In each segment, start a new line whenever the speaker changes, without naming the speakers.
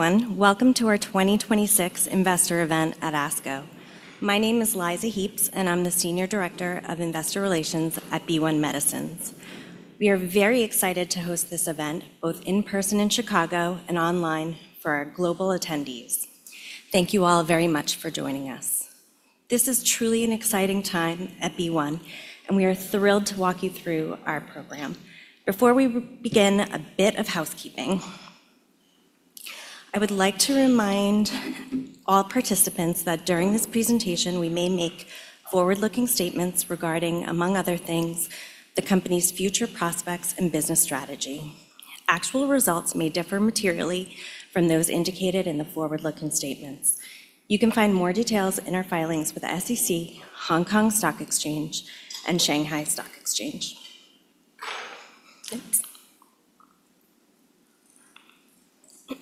Everyone, welcome to our 2026 investor event at ASCO. My name is Liza Heapes, and I'm the Senior Director of Investor Relations at BeOne Medicines. We are very excited to host this event, both in person in Chicago and online for our global attendees. Thank you all very much for joining us. This is truly an exciting time at BeOne, and we are thrilled to walk you through our program. Before we begin, a bit of housekeeping. I would like to remind all participants that during this presentation, we may make forward-looking statements regarding, among other things, the company's future prospects and business strategy. Actual results may differ materially from those indicated in the forward-looking statements. You can find more details in our filings with the SEC, Hong Kong Stock Exchange, and Shanghai Stock Exchange.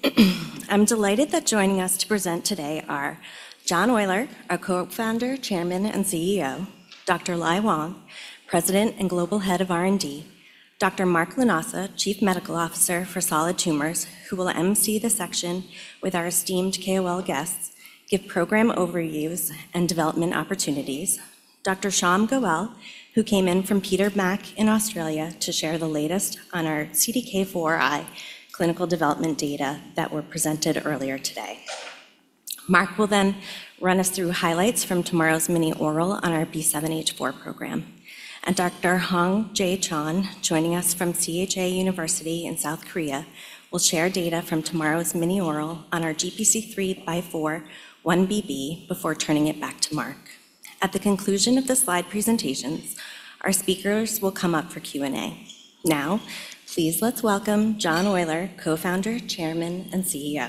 Thanks. I'm delighted that joining us to present today are John Oyler, our Co-Founder, Chairman, and CEO. Dr. Lai Wang, President and Global Head of R&D. Dr. Mark Lanasa, Chief Medical Officer for Solid Tumors, who will emcee the section with our esteemed KOL guests, give program overviews and development opportunities. Dr. Shyam Goel, who came in from Peter Mac in Australia to share the latest on our CDK4i clinical development data that were presented earlier today. Mark will run us through highlights from tomorrow's mini oral on our B7-H4 program. Dr. Hong Jae Chon, joining us from CHA University in South Korea, will share data from tomorrow's mini oral on our GPC3x4-1BB before turning it back to Mark. At the conclusion of the slide presentations, our speakers will come up for Q&A. Please, let's welcome John Oyler, Co-Founder, Chairman, and CEO.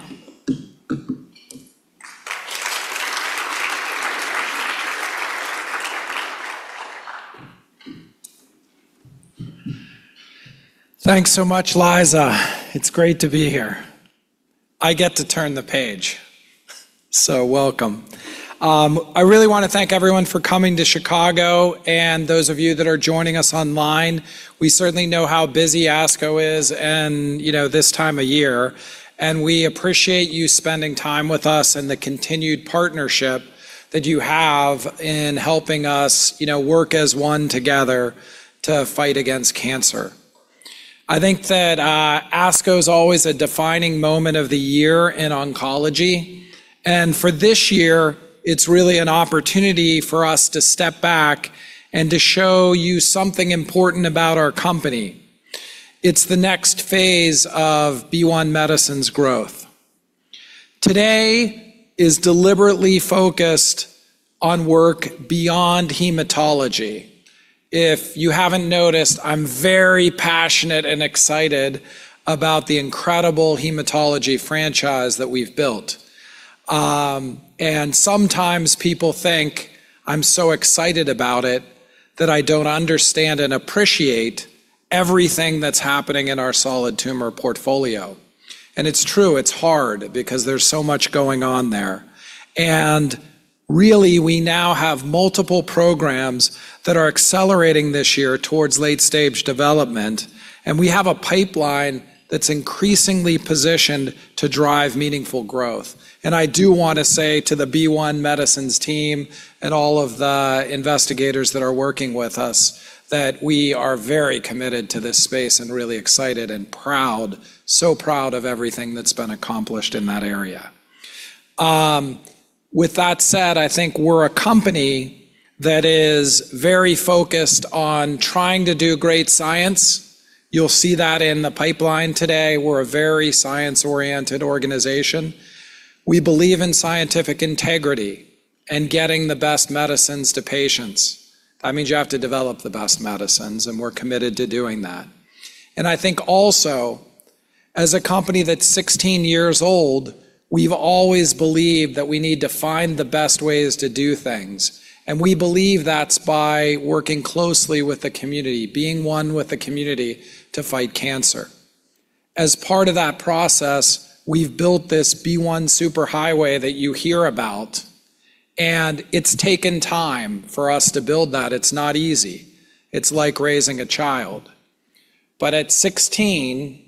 Thanks so much, Liza. It's great to be here. I get to turn the page, so welcome. I really want to thank everyone for coming to Chicago and those of you that are joining us online. We certainly know how busy ASCO is and this time of year, and we appreciate you spending time with us and the continued partnership that you have in helping us work as one together to fight against cancer. I think that ASCO is always a defining moment of the year in oncology, and for this year, it's really an opportunity for us to step back and to show you something important about our company. It's the next phase of BeOne Medicines' growth. Today is deliberately focused on work beyond hematology. If you haven't noticed, I'm very passionate and excited about the incredible hematology franchise that we've built. Sometimes people think I'm so excited about it that I don't understand and appreciate everything that's happening in our solid tumor portfolio. It's true, it's hard because there's so much going on there. Really, we now have multiple programs that are accelerating this year towards late-stage development, and we have a pipeline that's increasingly positioned to drive meaningful growth. I do want to say to the BeOne Medicines team and all of the investigators that are working with us that we are very committed to this space and really excited and proud, so proud of everything that's been accomplished in that area. With that said, I think we're a company that is very focused on trying to do great science. You'll see that in the pipeline today. We're a very science-oriented organization. We believe in scientific integrity and getting the best medicines to patients. That means you have to develop the best medicines, we're committed to doing that. I think also, as a company that's 16 years old, we've always believed that we need to find the best ways to do things. We believe that's by working closely with the community, being one with the community to fight cancer. As part of that process, we've built this BeOne superhighway that you hear about, it's taken time for us to build that. It's not easy. It's like raising a child. At 16,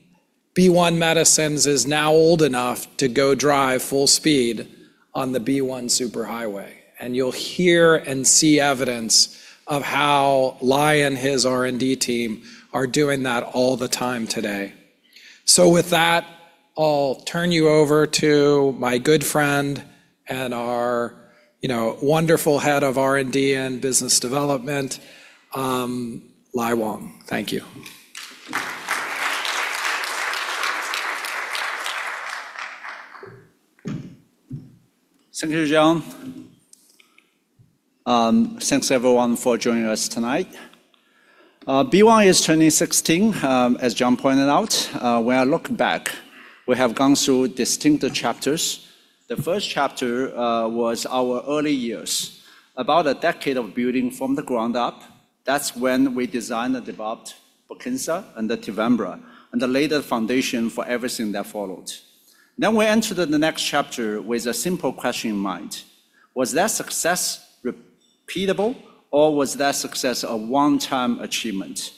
BeOne Medicines is now old enough to go drive full speed on the BeOne superhighway, you'll hear and see evidence of how Lai and his R&D team are doing that all the time today. With that, I'll turn you over to my good friend and our wonderful head of R&D and business development, Lai Wang. Thank you.
Thank you, John. Thanks, everyone, for joining us tonight. BeOne is turning 16, as John pointed out. When I look back, we have gone through distinctive chapters. The first chapter was our early years, about a decade of building from the ground up. That's when we designed and developed BEQALZI and the TEVIMBRA, and the later foundation for everything that followed. We entered the next chapter with a simple question in mind. Was that success Repeatable or was that success a one-time achievement?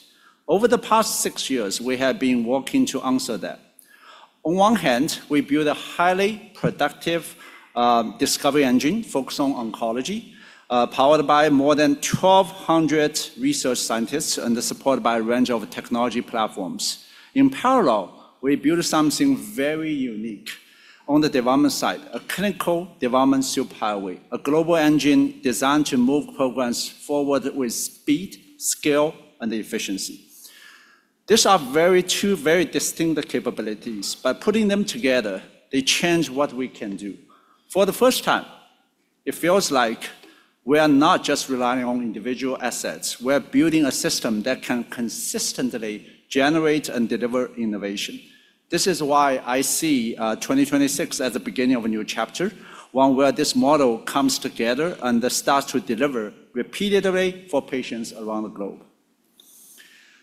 Over the past six years, we have been working to answer that. On one hand, we built a highly productive discovery engine focused on oncology, powered by more than 1,200 research scientists and supported by a range of technology platforms. In parallel, we built something very unique on the development side, a clinical development super highway, a global engine designed to move programs forward with speed, scale, and efficiency. These are two very distinct capabilities. By putting them together, they change what we can do. For the first time, it feels like we are not just relying on individual assets. We're building a system that can consistently generate and deliver innovation. This is why I see 2026 as the beginning of a new chapter, one where this model comes together and starts to deliver repeatedly for patients around the globe.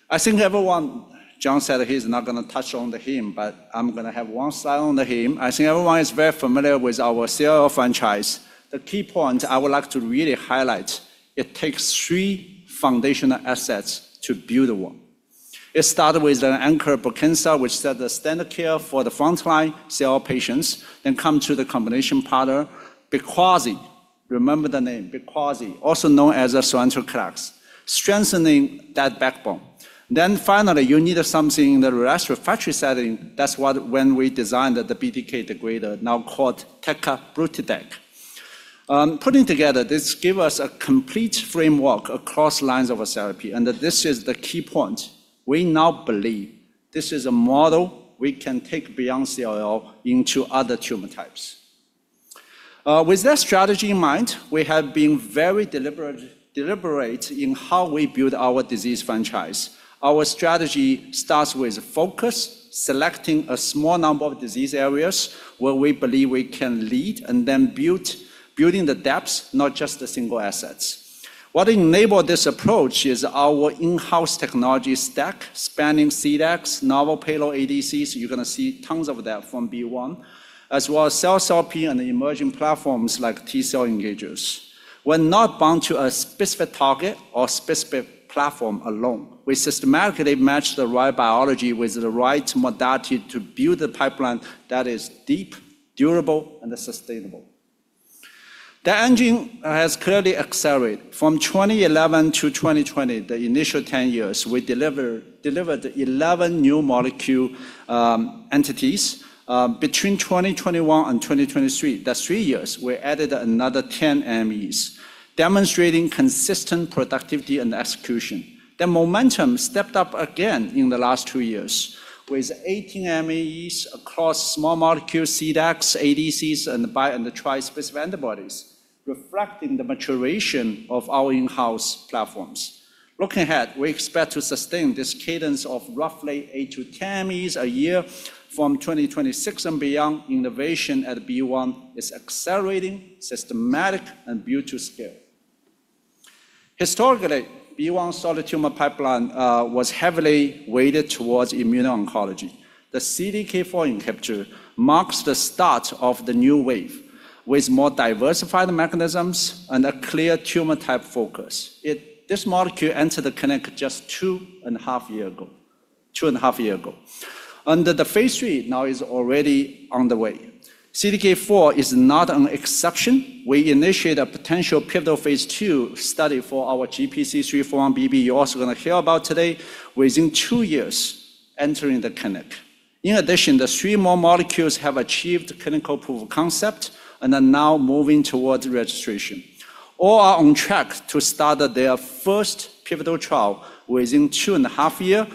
I think everyone. John said he's not going to touch on the hem, but I'm going to have one slide on the hem. I think everyone is very familiar with our CLL franchise. The key point I would like to really highlight, it takes three foundational assets to build one. It started with an anchor, Brukinsa, which set the standard care for the frontline CLL patients, then come to the combination partner, BEQALZI. Remember the name BEQALZI, also known as sonrotoclax, strengthening that backbone. Finally, you need something in the relapsed/refractory setting. That's when we designed the BTK degrader, now called Tekabrutinib. Putting together, this give us a complete framework across lines of therapy. This is the key point. We now believe this is a model we can take beyond CLL into other tumor types. With that strategy in mind, we have been very deliberate in how we build our disease franchise. Our strategy starts with focus, selecting a small number of disease areas where we believe we can lead and then building the depths, not just the single assets. What enabled this approach is our in-house technology stack, spanning CDACs, novel payload ADCs, you're going to see tons of that from BeOne, as well as CAR platform and emerging platforms like T-cell engagers. We're not bound to a specific target or specific platform alone. We systematically match the right biology with the right modality to build a pipeline that is deep, durable and sustainable. The engine has clearly accelerated. From 2011 to 2020, the initial 10 years, we delivered 11 new molecule entities. Between 2021 and 2023, that's three years, we added another 10 NMEs, demonstrating consistent productivity and execution. The momentum stepped up again in the last two years with 18 NMEs across small molecule CDACs, ADCs, and bi and tri-specific antibodies, reflecting the maturation of our in-house platforms. Looking ahead, we expect to sustain this cadence of roughly 8 to 10 NMEs a year from 2026 and beyond. Innovation at BeOne is accelerating, systematic and built to scale. Historically, BeOne solid tumor pipeline was heavily weighted towards immuno-oncology. The CDK4 inhibitor marks the start of the new wave with more diversified mechanisms and a clear tumor-type focus. This molecule entered the clinic just two and a half years ago. The phase III now is already on the way. CDK4 is not an exception. We initiate a potential pivotal phase II study for our GPC3x4-1BB you're also going to hear about today within two years entering the clinic. In addition, three more molecules have achieved clinical proof of concept and are now moving towards registration. All are on track to start their first pivotal trial within two and a half years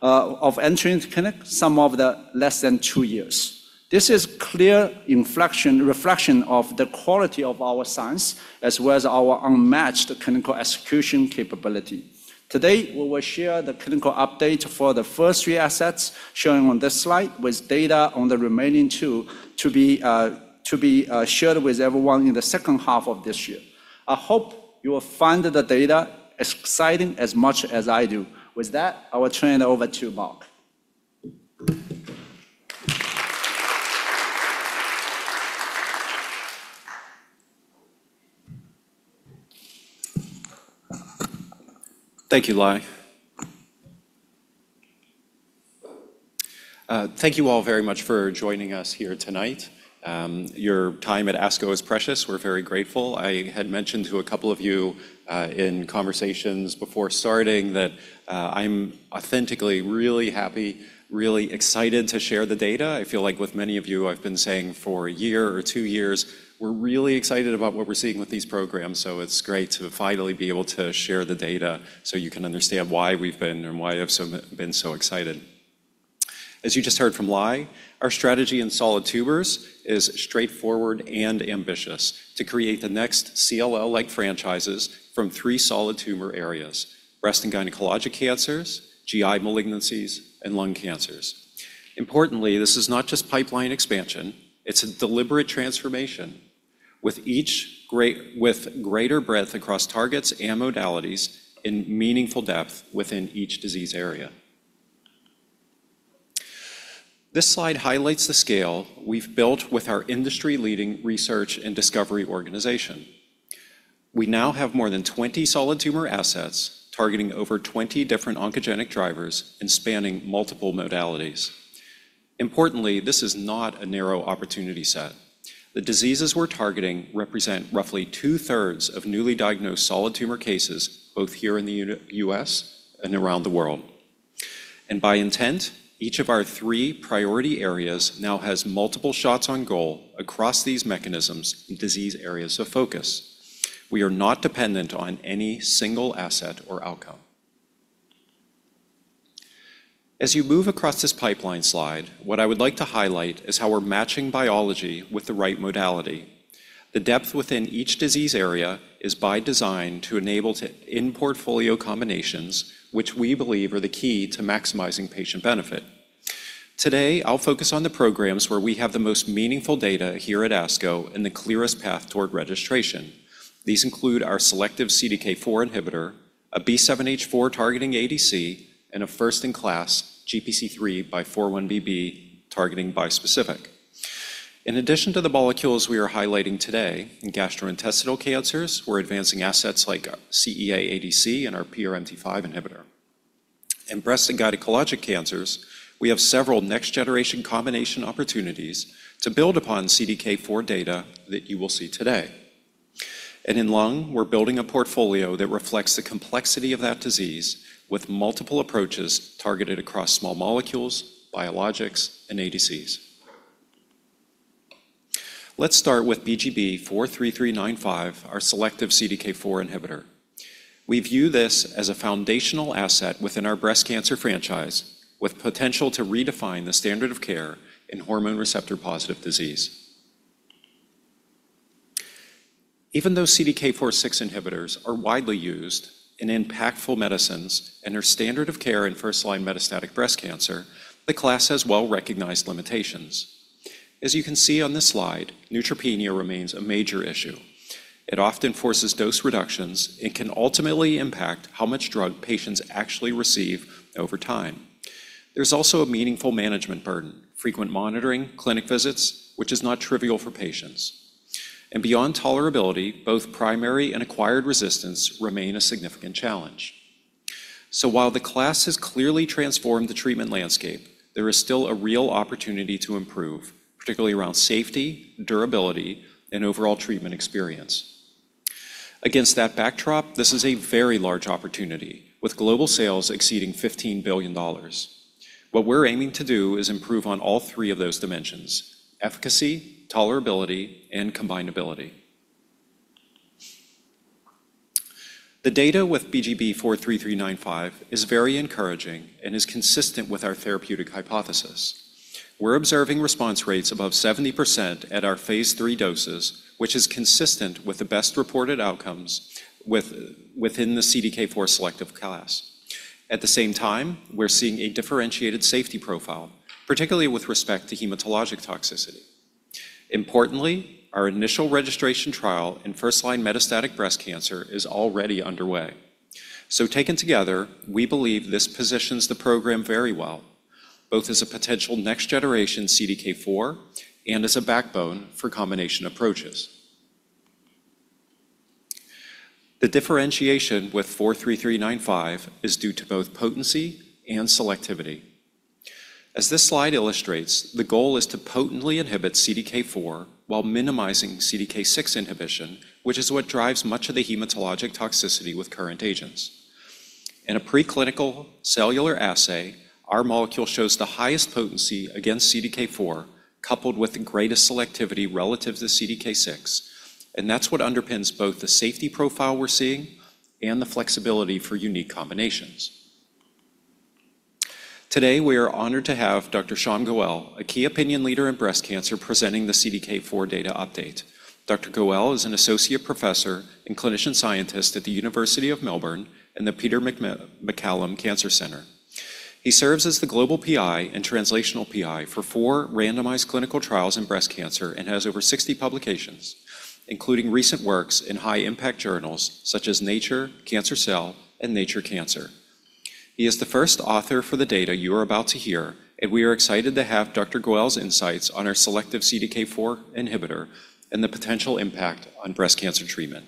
of entering the clinic, some of they less than two years. This is clear reflection of the quality of our science as well as our unmatched clinical execution capability. Today, we will share the clinical update for the first three assets shown on this slide with data on the remaining two to be shared with everyone in the second half of this year. I hope you will find the data exciting as much as I do. With that, I will turn it over to Mark.
Thank you, Lai. Thank you all very much for joining us here tonight. Your time at ASCO is precious. We're very grateful. I had mentioned to a couple of you in conversations before starting that I'm authentically really happy, really excited to share the data. I feel like with many of you, I've been saying for a year or two years we're really excited about what we're seeing with these programs, so it's great to finally be able to share the data so you can understand why we've been and why I've been so excited. As you just heard from Lai, our strategy in solid tumors is straightforward and ambitious: to create the next CLL-like franchises from three solid tumor areas, breast and gynecologic cancers, GI malignancies, and lung cancers. This is not just pipeline expansion. It's a deliberate transformation with greater breadth across targets and modalities and meaningful depth within each disease area. This slide highlights the scale we've built with our industry-leading research and discovery organization. We now have more than 20 solid tumor assets targeting over 20 different oncogenic drivers and spanning multiple modalities. Importantly, this is not a narrow opportunity set. The diseases we're targeting represent roughly two-thirds of newly diagnosed solid tumor cases, both here in the U.S. and around the world. By intent, each of our three priority areas now has multiple shots on goal across these mechanisms and disease areas of focus. We are not dependent on any single asset or outcome. As you move across this pipeline slide, what I would like to highlight is how we're matching biology with the right modality. The depth within each disease area is by design to enable in portfolio combinations, which we believe are the key to maximizing patient benefit. Today, I'll focus on the programs where we have the most meaningful data here at ASCO and the clearest path toward registration. These include our selective CDK4 inhibitor, a B7-H4 targeting ADC, and a first-in-class GPC3x4-1BB targeting bispecific. In addition to the molecules we are highlighting today, in gastrointestinal cancers, we're advancing assets like CEA ADC and our PRMT5 inhibitor. In breast and gynecologic cancers, we have several next-generation combination opportunities to build upon CDK4 data that you will see today. In lung, we're building a portfolio that reflects the complexity of that disease with multiple approaches targeted across small molecules, biologics, and ADCs. Let's start with BGB-43395, our selective CDK4 inhibitor. We view this as a foundational asset within our breast cancer franchise, with potential to redefine the standard of care in Hormone receptor-positive disease. Even though CDK4/6 inhibitors are widely used and impactful medicines and are standard of care in first-line metastatic breast cancer, the class has well-recognized limitations. As you can see on this slide, neutropenia remains a major issue. It often forces dose reductions and can ultimately impact how much drug patients actually receive over time. There's also a meaningful management burden, frequent monitoring, clinic visits, which is not trivial for patients. Beyond tolerability, both primary and acquired resistance remain a significant challenge. While the class has clearly transformed the treatment landscape, there is still a real opportunity to improve, particularly around safety, durability, and overall treatment experience. Against that backdrop, this is a very large opportunity, with global sales exceeding $15 billion. What we're aiming to do is improve on all three of those dimensions: efficacy, tolerability, and combinability. The data with BGB-43395 is very encouraging and is consistent with our therapeutic hypothesis. We're observing response rates above 70% at our phase III doses, which is consistent with the best reported outcomes within the CDK4 selective class. At the same time, we're seeing a differentiated safety profile, particularly with respect to hematologic toxicity. Importantly, our initial registration trial in first-line metastatic breast cancer is already underway. Taken together, we believe this positions the program very well, both as a potential next-generation CDK4 and as a backbone for combination approaches. The differentiation with 43395 is due to both potency and selectivity. As this slide illustrates, the goal is to potently inhibit CDK4 while minimizing CDK6 inhibition, which is what drives much of the hematologic toxicity with current agents. In a preclinical cellular assay, our molecule shows the highest potency against CDK4, coupled with the greatest selectivity relative to CDK6. That's what underpins both the safety profile we're seeing and the flexibility for unique combinations. Today, we are honored to have Dr. Shyam Goel, a key opinion leader in breast cancer, presenting the CDK4 data update. Dr. Goel is an associate professor and clinician scientist at the University of Melbourne and the Peter MacCallum Cancer Centre. He serves as the global PI and translational PI for four randomized clinical trials in breast cancer and has over 60 publications, including recent works in high-impact journals such as "Nature," "Cancer Cell," and "Nature Cancer." He is the first author for the data you are about to hear, and we are excited to have Dr. Goel's insights on our selective CDK4 inhibitor and the potential impact on breast cancer treatment.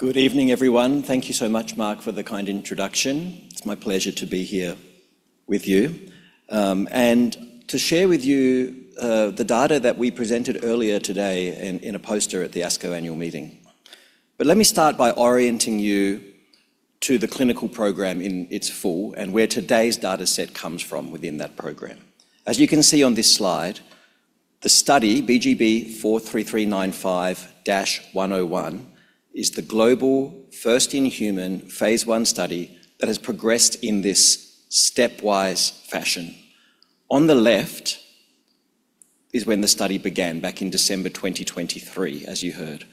Good evening, everyone. Thank you so much, Mark, for the kind introduction. It is my pleasure to be here with you, and to share with you the data that we presented earlier today in a poster at the ASCO annual meeting. Let me start by orienting you to the clinical program in its full and where today's data set comes from within that program. As you can see on this slide, the study BGB-43395-101 is the global first-in-human phase I study that has progressed in this stepwise fashion. On the left is when the study began back in December 2023, as you heard,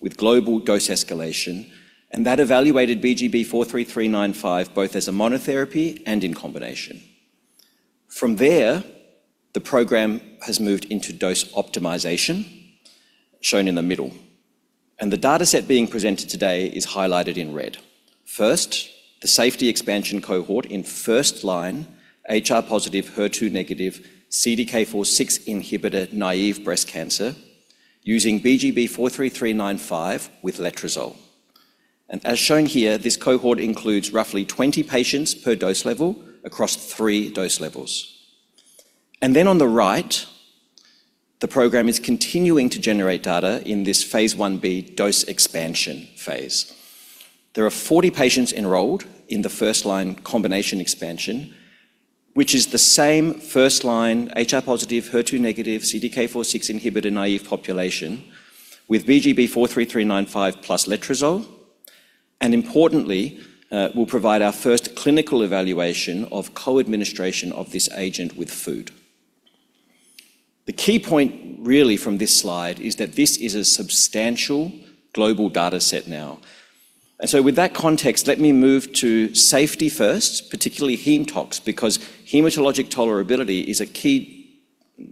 with global dose escalation, and that evaluated BGB-43395 both as a monotherapy and in combination. From there, the program has moved into dose optimization, shown in the middle. The data set being presented today is highlighted in red. The safety expansion cohort in first-line HR-positive, HER2-negative CDK4/6 inhibitor-naive breast cancer using BGB-43395 with letrozole. As shown here, this cohort includes roughly 20 patients per dose level across three dose levels. On the right, the program is continuing to generate data in this phase I-B dose expansion phase. There are 40 patients enrolled in the first-line combination expansion, which is the same first-line HR-positive, HER2-negative CDK4/6 inhibitor-naive population with BGB-43395 plus letrozole and importantly, will provide our first clinical evaluation of co-administration of this agent with food. The key point really from this slide is that this is a substantial global data set now. With that context, let me move to safety first, particularly hematox, because hematologic tolerability is a key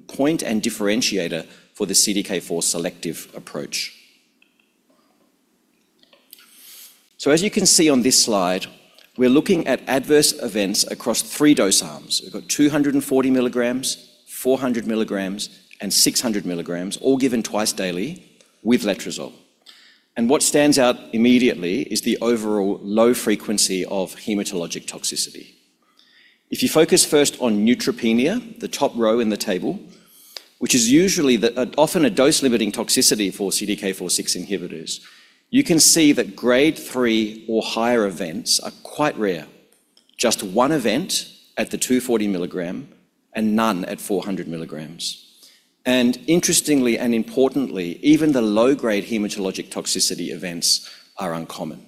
point and differentiator for the CDK4 selective approach. As you can see on this slide, we're looking at adverse events across three dose arms. We've got 240 mg, 400 mg, and 600 mg, all given twice daily with letrozole. What stands out immediately is the overall low frequency of hematologic toxicity. If you focus first on neutropenia, the top row in the table, which is often a dose-limiting toxicity for CDK4/6 inhibitors, you can see that Grade 3 or higher events are quite rare. Just one event at the 240 mg and none at 400 mg. Interestingly and importantly, even the low-grade hematologic toxicity events are uncommon.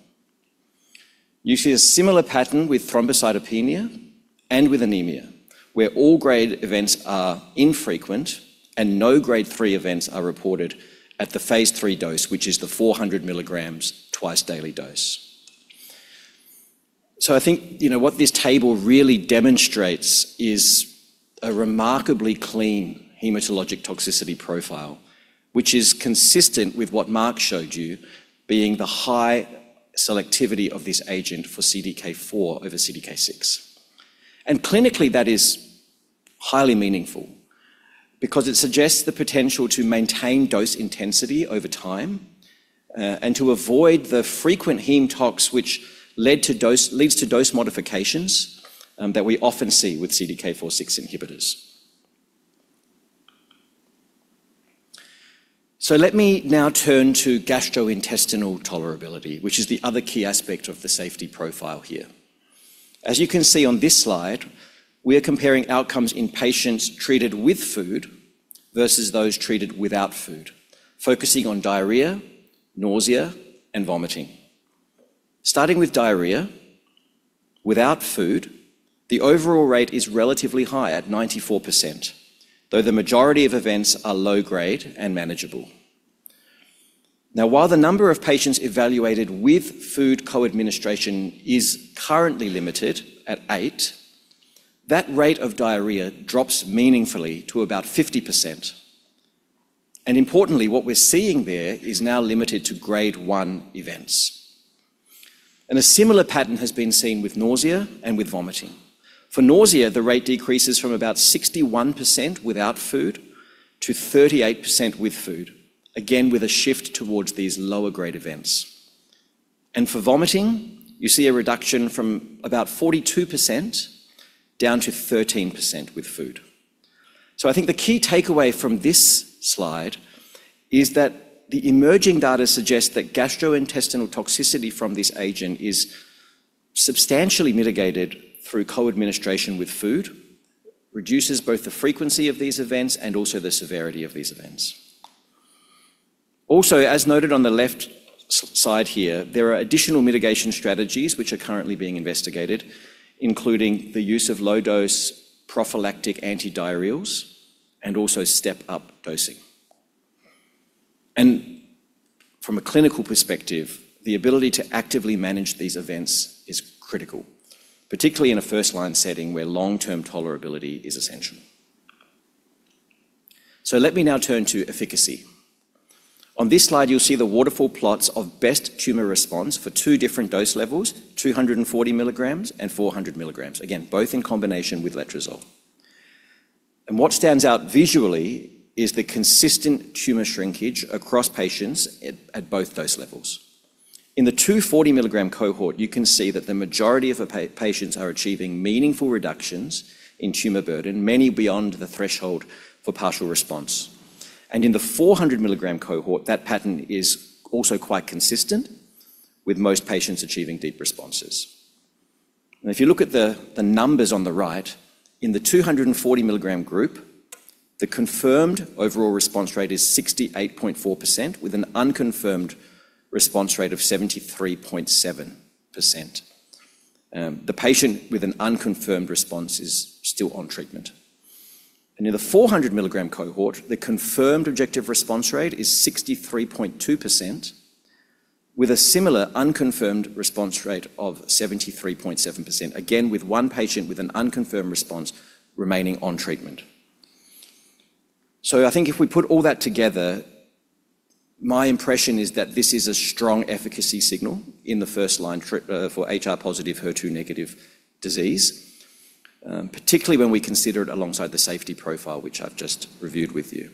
You see a similar pattern with thrombocytopenia and with anemia, where all grade events are infrequent and no Grade 3 events are reported at the phase III dose, which is the 400 mg twice-daily dose. I think what this table really demonstrates is a remarkably clean hematologic toxicity profile, which is consistent with what Mark showed you being the high selectivity of this agent for CDK4 over CDK6. Clinically, that is highly meaningful because it suggests the potential to maintain dose intensity over time and to avoid the frequent hematox which leads to dose modifications that we often see with CDK4/6 inhibitors. Let me now turn to gastrointestinal tolerability, which is the other key aspect of the safety profile here. As you can see on this slide, we are comparing outcomes in patients treated with food versus those treated without food, focusing on diarrhea, nausea, and vomiting. Starting with diarrhea, without food, the overall rate is relatively high at 94%, though the majority of events are low-grade and manageable. While the number of patients evaluated with food co-administration is currently limited at eight, that rate of diarrhea drops meaningfully to about 50%. Importantly, what we're seeing there is now limited to Grade 1 events. A similar pattern has been seen with nausea and with vomiting. For nausea, the rate decreases from about 61% without food to 38% with food, again, with a shift towards these lower grade events. For vomiting, you see a reduction from about 42% down to 13% with food. I think the key takeaway from this slide is that the emerging data suggests that gastrointestinal toxicity from this agent is substantially mitigated through co-administration with food, reduces both the frequency of these events and also the severity of these events. As noted on the left side here, there are additional mitigation strategies which are currently being investigated, including the use of low-dose prophylactic antidiarrheals and step-up dosing. From a clinical perspective, the ability to actively manage these events is critical, particularly in a first-line setting where long-term tolerability is essential. Let me now turn to efficacy. On this slide, you'll see the waterfall plots of best tumor response for two different dose levels, 240 mg and 400 mg, again, both in combination with letrozole. What stands out visually is the consistent tumor shrinkage across patients at both dose levels. In the 240 mg cohort, you can see that the majority of the patients are achieving meaningful reductions in tumor burden, many beyond the threshold for partial response. In the 400 mg cohort, that pattern is also quite consistent, with most patients achieving deep responses. If you look at the numbers on the right, in the 240 mg group, the confirmed overall response rate is 68.4%, with an unconfirmed response rate of 73.7%. The patient with an unconfirmed response is still on treatment. In the 400 mg cohort, the confirmed objective response rate is 63.2%. With a similar unconfirmed response rate of 73.7%, again with one patient with an unconfirmed response remaining on treatment. I think if we put all that together, my impression is that this is a strong efficacy signal in the first-line for HR-positive, HER2-negative disease, particularly when we consider it alongside the safety profile, which I've just reviewed with you.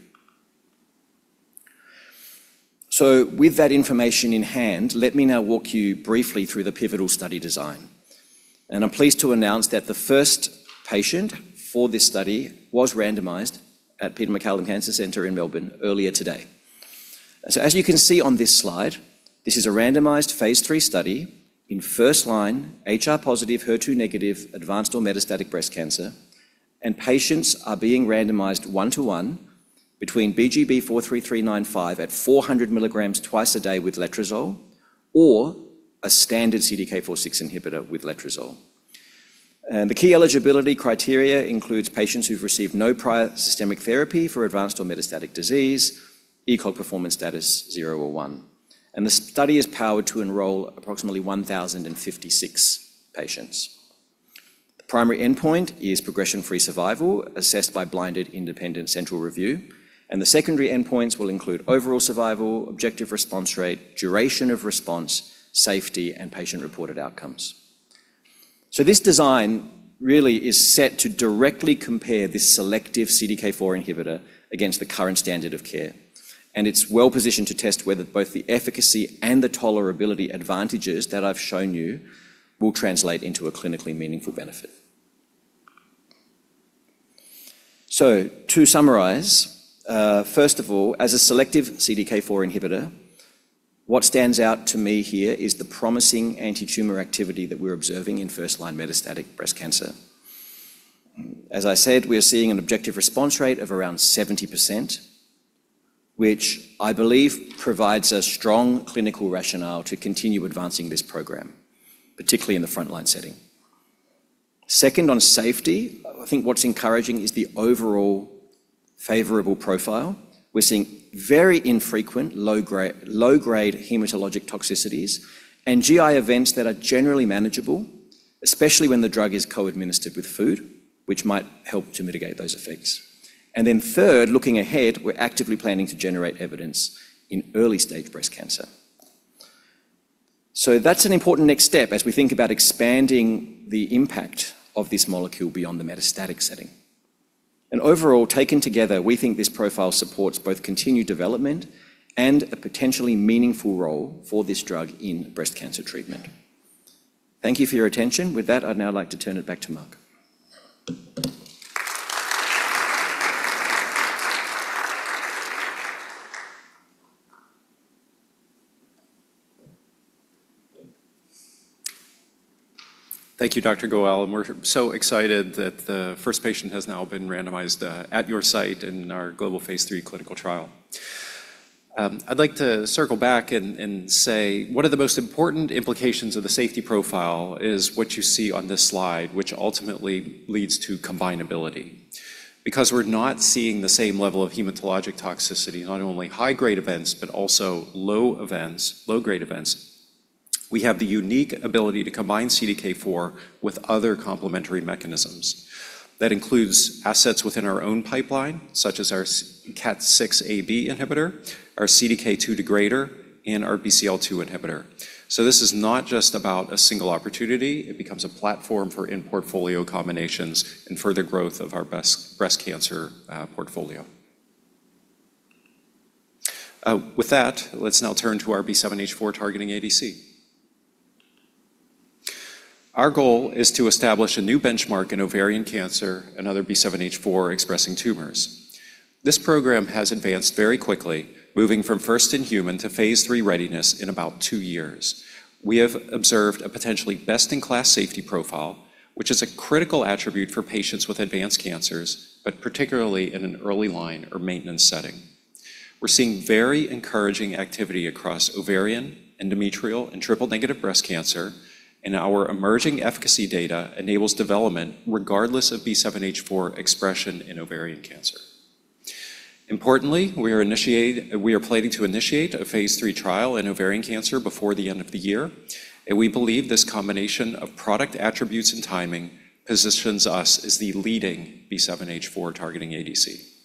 With that information in hand, let me now walk you briefly through the pivotal study design. I'm pleased to announce that the first patient for this study was randomized at Peter MacCallum Cancer Centre in Melbourne earlier today. As you can see on this slide, this is a randomized phase III study in first-line HR-positive, HER2-negative, advanced or metastatic breast cancer, and patients are being randomized one to one between BGB-43395 at 400 mg twice a day with letrozole or a standard CDK4/6 inhibitor with letrozole. The key eligibility criteria includes patients who've received no prior systemic therapy for advanced or metastatic disease, ECOG performance status zero or one. The study is powered to enroll approximately 1,056 patients. The primary endpoint is progression-free survival, assessed by blinded independent central review, and the secondary endpoints will include overall survival, objective response rate, duration of response, safety, and patient-reported outcomes. This design really is set to directly compare this selective CDK4 inhibitor against the current standard of care, and it's well-positioned to test whether both the efficacy and the tolerability advantages that I've shown you will translate into a clinically meaningful benefit. To summarize, first of all, as a selective CDK4 inhibitor, what stands out to me here is the promising antitumor activity that we're observing in first-line metastatic breast cancer. As I said, we're seeing an objective response rate of around 70%, which I believe provides a strong clinical rationale to continue advancing this program, particularly in the frontline setting. Second, on safety, I think what's encouraging is the overall favorable profile. We're seeing very infrequent low-grade hematologic toxicities and GI events that are generally manageable, especially when the drug is co-administered with food, which might help to mitigate those effects. Third, looking ahead, we're actively planning to generate evidence in early-stage breast cancer. That's an important next step as we think about expanding the impact of this molecule beyond the metastatic setting. Overall, taken together, we think this profile supports both continued development and a potentially meaningful role for this drug in breast cancer treatment. Thank you for your attention. With that, I'd now like to turn it back to Mark.
Thank you, Dr. Goel. We're so excited that the first patient has now been randomized at your site in our global phase III clinical trial. I'd like to circle back and say one of the most important implications of the safety profile is what you see on this slide, which ultimately leads to combinability. We're not seeing the same level of hematologic toxicity, not only high-grade events, but also low grade events, we have the unique ability to combine CDK4 with other complementary mechanisms. That includes assets within our own pipeline, such as our KAT6A/B inhibitor, our CDK2 degrader, and our BCL2 inhibitor. This is not just about a single opportunity. It becomes a platform for in-portfolio combinations and further growth of our breast cancer portfolio. With that, let's now turn to our B7-H4-targeting ADC. Our goal is to establish a new benchmark in ovarian cancer and other B7-H4-expressing tumors. This program has advanced very quickly, moving from first-in-human to phase III-readiness in about two years. We have observed a potentially best-in-class safety profile, which is a critical attribute for patients with advanced cancers, but particularly in an early-line or maintenance setting. We're seeing very encouraging activity across ovarian, endometrial, and triple-negative breast cancer, and our emerging efficacy data enables development regardless of B7-H4 expression in ovarian cancer. Importantly, we are planning to initiate a phase III trial in ovarian cancer before the end of the year, and we believe this combination of product attributes and timing positions us as the leading B7-H4-targeting ADC.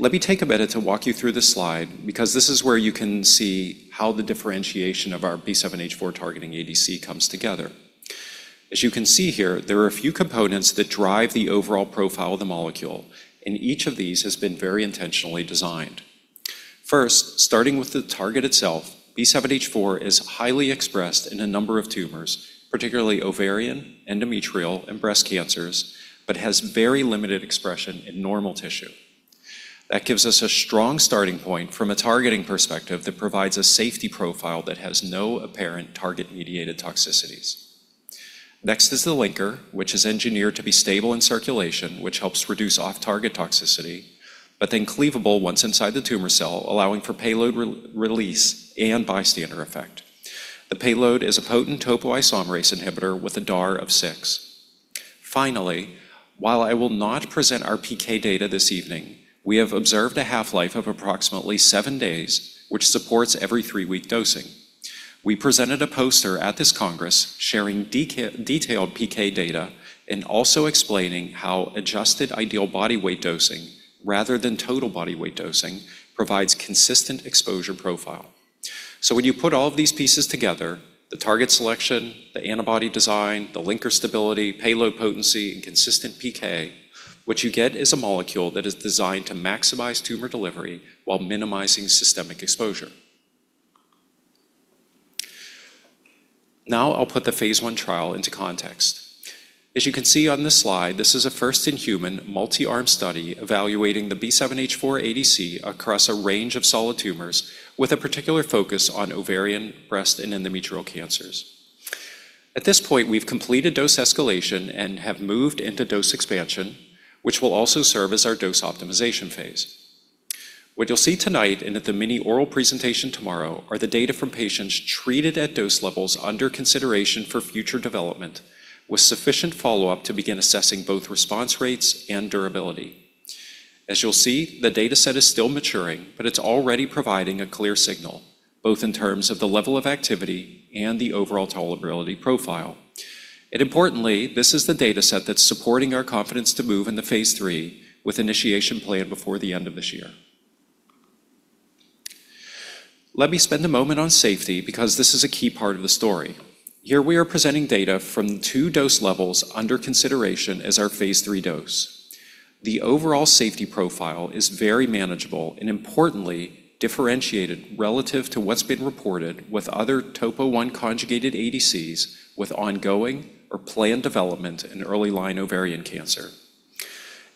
Let me take a minute to walk you through this slide because this is where you can see how the differentiation of our B7-H4-targeting ADC comes together. As you can see here, there are a few components that drive the overall profile of the molecule, and each of these has been very intentionally designed. Starting with the target itself, B7-H4 is highly expressed in a number of tumors, particularly ovarian, endometrial, and breast cancers, but has very limited expression in normal tissue. That gives us a strong starting point from a targeting perspective that provides a safety profile that has no apparent target-mediated toxicities. Is the linker, which is engineered to be stable in circulation, which helps reduce off-target toxicity, but then cleavable once inside the tumor cell, allowing for payload release and bystander effect. The payload is a potent topoisomerase inhibitor with a DAR of six. While I will not present our PK data this evening, we have observed a half-life of approximately seven days, which supports every three-week dosing. We presented a poster at this congress sharing detailed PK data and also explaining how adjusted ideal body weight dosing, rather than total body weight dosing, provides consistent exposure profile. When you put all of these pieces together, the target selection, the antibody design, the linker stability, payload potency, and consistent PK, what you get is a molecule that is designed to maximize tumor delivery while minimizing systemic exposure. Now I'll put the phase I trial into context. As you can see on this slide, this is a first-in-human, multi-arm study evaluating the B7-H4 ADC across a range of solid tumors with a particular focus on ovarian, breast, and endometrial cancers. At this point, we've completed dose escalation and have moved into dose expansion, which will also serve as our dose optimization phase. What you'll see tonight and at the mini oral presentation tomorrow are the data from patients treated at dose levels under consideration for future development, with sufficient follow-up to begin assessing both response rates and durability. As you'll see, the data set is still maturing, but it's already providing a clear signal, both in terms of the level of activity and the overall tolerability profile. Importantly, this is the data set that's supporting our confidence to move into phase III, with initiation planned before the end of this year. Let me spend a moment on safety, because this is a key part of the story. Here we are presenting data from two dose levels under consideration as our phase III dose. The overall safety profile is very manageable and importantly differentiated relative to what's been reported with other Topo1-conjugated ADCs with ongoing or planned development in early-line ovarian cancer.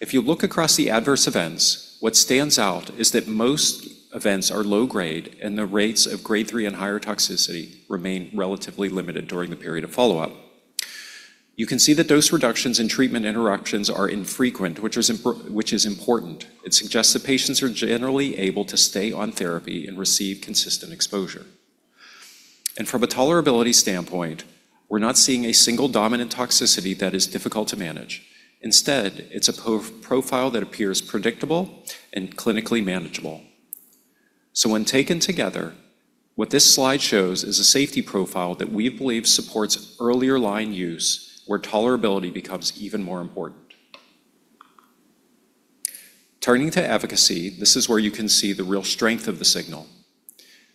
If you look across the adverse events, what stands out is that most events are low grade and the rates of Grade 3 and higher toxicity remain relatively limited during the period of follow-up. You can see that dose reductions and treatment interactions are infrequent, which is important. It suggests that patients are generally able to stay on therapy and receive consistent exposure. From a tolerability standpoint, we're not seeing a single dominant toxicity that is difficult to manage. Instead, it's a profile that appears predictable and clinically manageable. When taken together, what this slide shows is a safety profile that we believe supports earlier line use, where tolerability becomes even more important. Turning to efficacy, this is where you can see the real strength of the signal.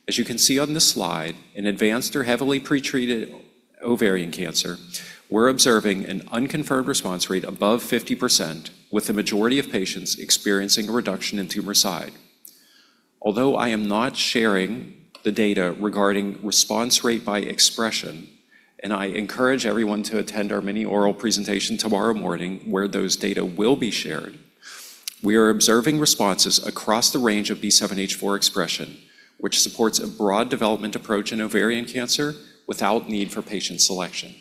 As you can see on this slide, in advanced or heavily pretreated ovarian cancer, we're observing an unconfirmed response rate above 50%, with the majority of patients experiencing a reduction in tumor size. Although I am not sharing the data regarding response rate by expression, and I encourage everyone to attend our mini oral presentation tomorrow morning where those data will be shared, we are observing responses across the range of B7-H4 expression, which supports a broad development approach in ovarian cancer without need for patient selection.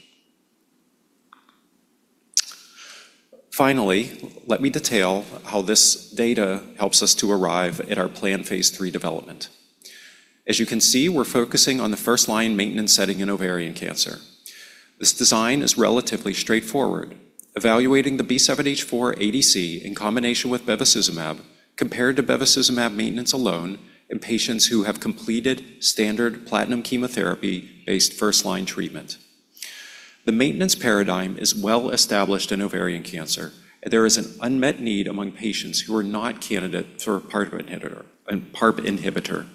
Finally, let me detail how this data helps us to arrive at our planned phase III development. As you can see, we're focusing on the first-line maintenance setting in ovarian cancer. This design is relatively straightforward, evaluating the B7-H4 ADC in combination with bevacizumab compared to bevacizumab maintenance alone in patients who have completed standard platinum chemotherapy-based first-line treatment. The maintenance paradigm is well established in ovarian cancer, and there is an unmet need among patients who are not candidates for a PARP inhibitor.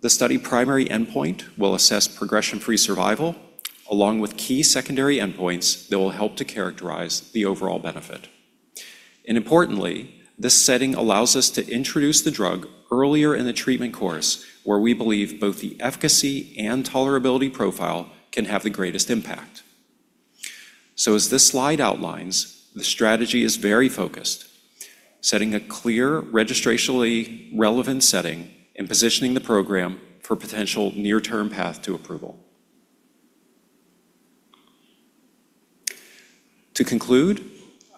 The study primary endpoint will assess progression-free survival along with key secondary endpoints that will help to characterize the overall benefit. Importantly, this setting allows us to introduce the drug earlier in the treatment course, where we believe both the efficacy and tolerability profile can have the greatest impact. As this slide outlines, the strategy is very focused, setting a clear registrationally relevant setting and positioning the program for potential near-term path to approval. To conclude,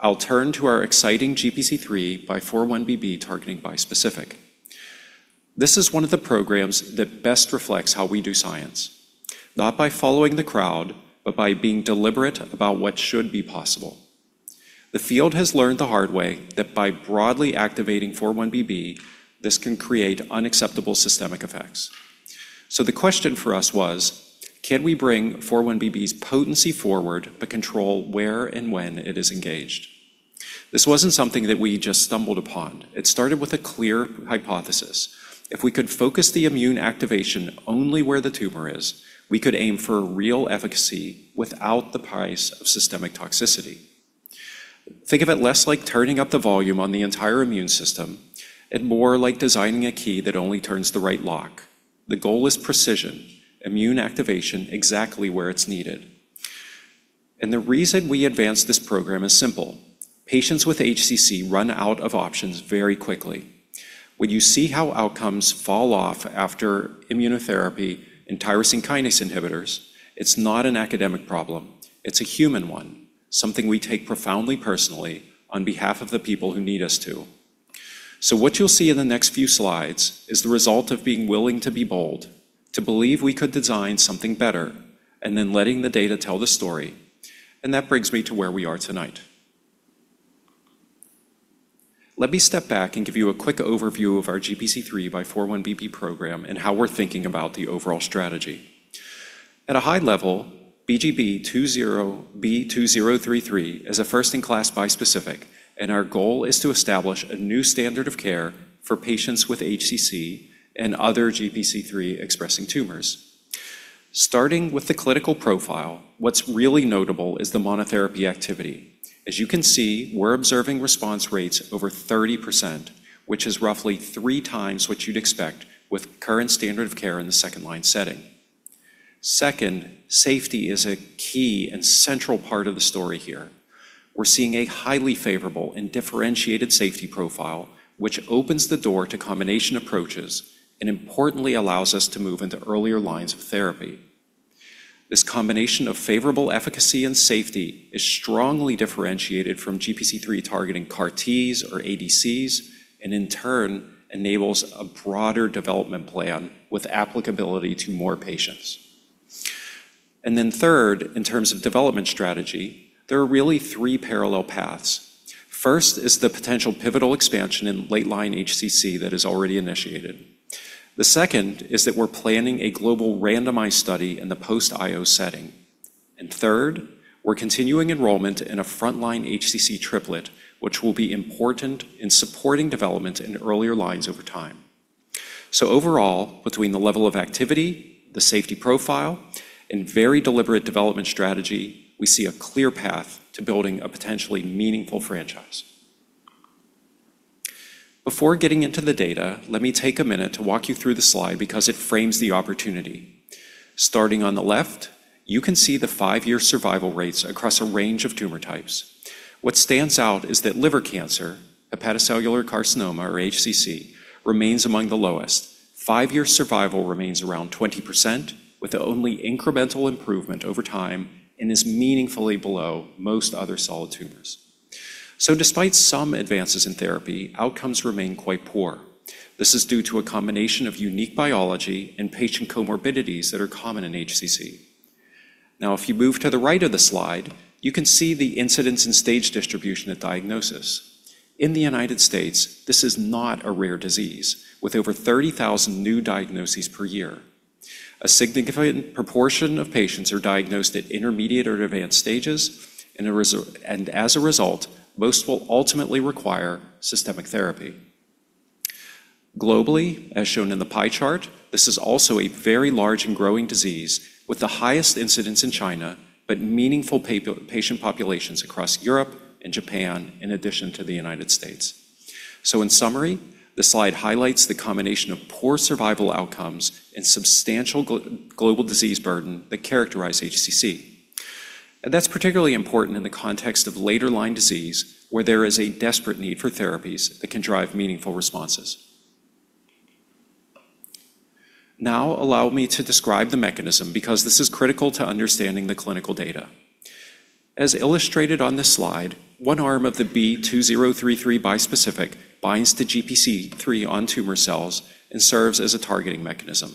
I'll turn to our exciting GPC3x4-1BB targeting bispecific. This is one of the programs that best reflects how we do science, not by following the crowd, but by being deliberate about what should be possible. The field has learned the hard way that by broadly activating 4-1BB, this can create unacceptable systemic effects. The question for us was: Can we bring 4-1BB's potency forward, but control where and when it is engaged? This wasn't something that we just stumbled upon. It started with a clear hypothesis. If we could focus the immune activation only where the tumor is, we could aim for real efficacy without the price of systemic toxicity. Think of it less like turning up the volume on the entire immune system and more like designing a key that only turns the right lock. The goal is precision, immune activation exactly where it's needed. The reason we advanced this program is simple. Patients with HCC run out of options very quickly. When you see how outcomes fall off after immunotherapy and tyrosine kinase inhibitors, it's not an academic problem. It's a human one, something we take profoundly personally on behalf of the people who need us to. What you'll see in the next few slides is the result of being willing to be bold, to believe we could design something better, and then letting the data tell the story. That brings me to where we are tonight. Let me step back and give you a quick overview of our GPC3x4-1BB program and how we're thinking about the overall strategy. At a high level, BGB-B2033 is a first-in-class bispecific, and our goal is to establish a new standard of care for patients with HCC and other GPC3-expressing tumors. Starting with the clinical profile, what's really notable is the monotherapy activity. As you can see, we're observing response rates over 30%, which is roughly three times what you'd expect with current standard of care in the second-line setting. Second, safety is a key and central part of the story here. We're seeing a highly favorable and differentiated safety profile, which opens the door to combination approaches and importantly allows us to move into earlier lines of therapy. This combination of favorable efficacy and safety is strongly differentiated from GPC3 targeting CAR Ts or ADCs, and in turn enables a broader development plan with applicability to more patients. Third, in terms of development strategy, there are really three parallel paths. First is the potential pivotal expansion in late-line HCC that is already initiated. The second is that we're planning a global randomized study in the post-IO setting. Third, we're continuing enrollment in a frontline HCC triplet, which will be important in supporting development in earlier lines over time. Overall, between the level of activity, the safety profile, and very deliberate development strategy, we see a clear path to building a potentially meaningful franchise. Before getting into the data, let me take a minute to walk you through the slide because it frames the opportunity. Starting on the left, you can see the five-year survival rates across a range of tumor types. What stands out is that liver cancer, hepatocellular carcinoma, or HCC, remains among the lowest. five-year survival remains around 20%, with only incremental improvement over time, and is meaningfully below most other solid tumors. Despite some advances in therapy, outcomes remain quite poor. This is due to a combination of unique biology and patient comorbidities that are common in HCC. If you move to the right of the slide, you can see the incidence and stage distribution at diagnosis. In the United States, this is not a rare disease, with over 30,000 new diagnoses per year. A significant proportion of patients are diagnosed at intermediate or advanced stages, as a result, most will ultimately require systemic therapy. Globally, as shown in the pie chart, this is also a very large and growing disease with the highest incidence in China, meaningful patient populations across Europe and Japan, in addition to the U.S. In summary, the slide highlights the combination of poor survival outcomes and substantial global disease burden that characterize HCC. That's particularly important in the context of later-line disease, where there is a desperate need for therapies that can drive meaningful responses. Now, allow me to describe the mechanism because this is critical to understanding the clinical data. As illustrated on this slide, one arm of the BGB-B2033 bispecific binds to GPC3 on tumor cells and serves as a targeting mechanism.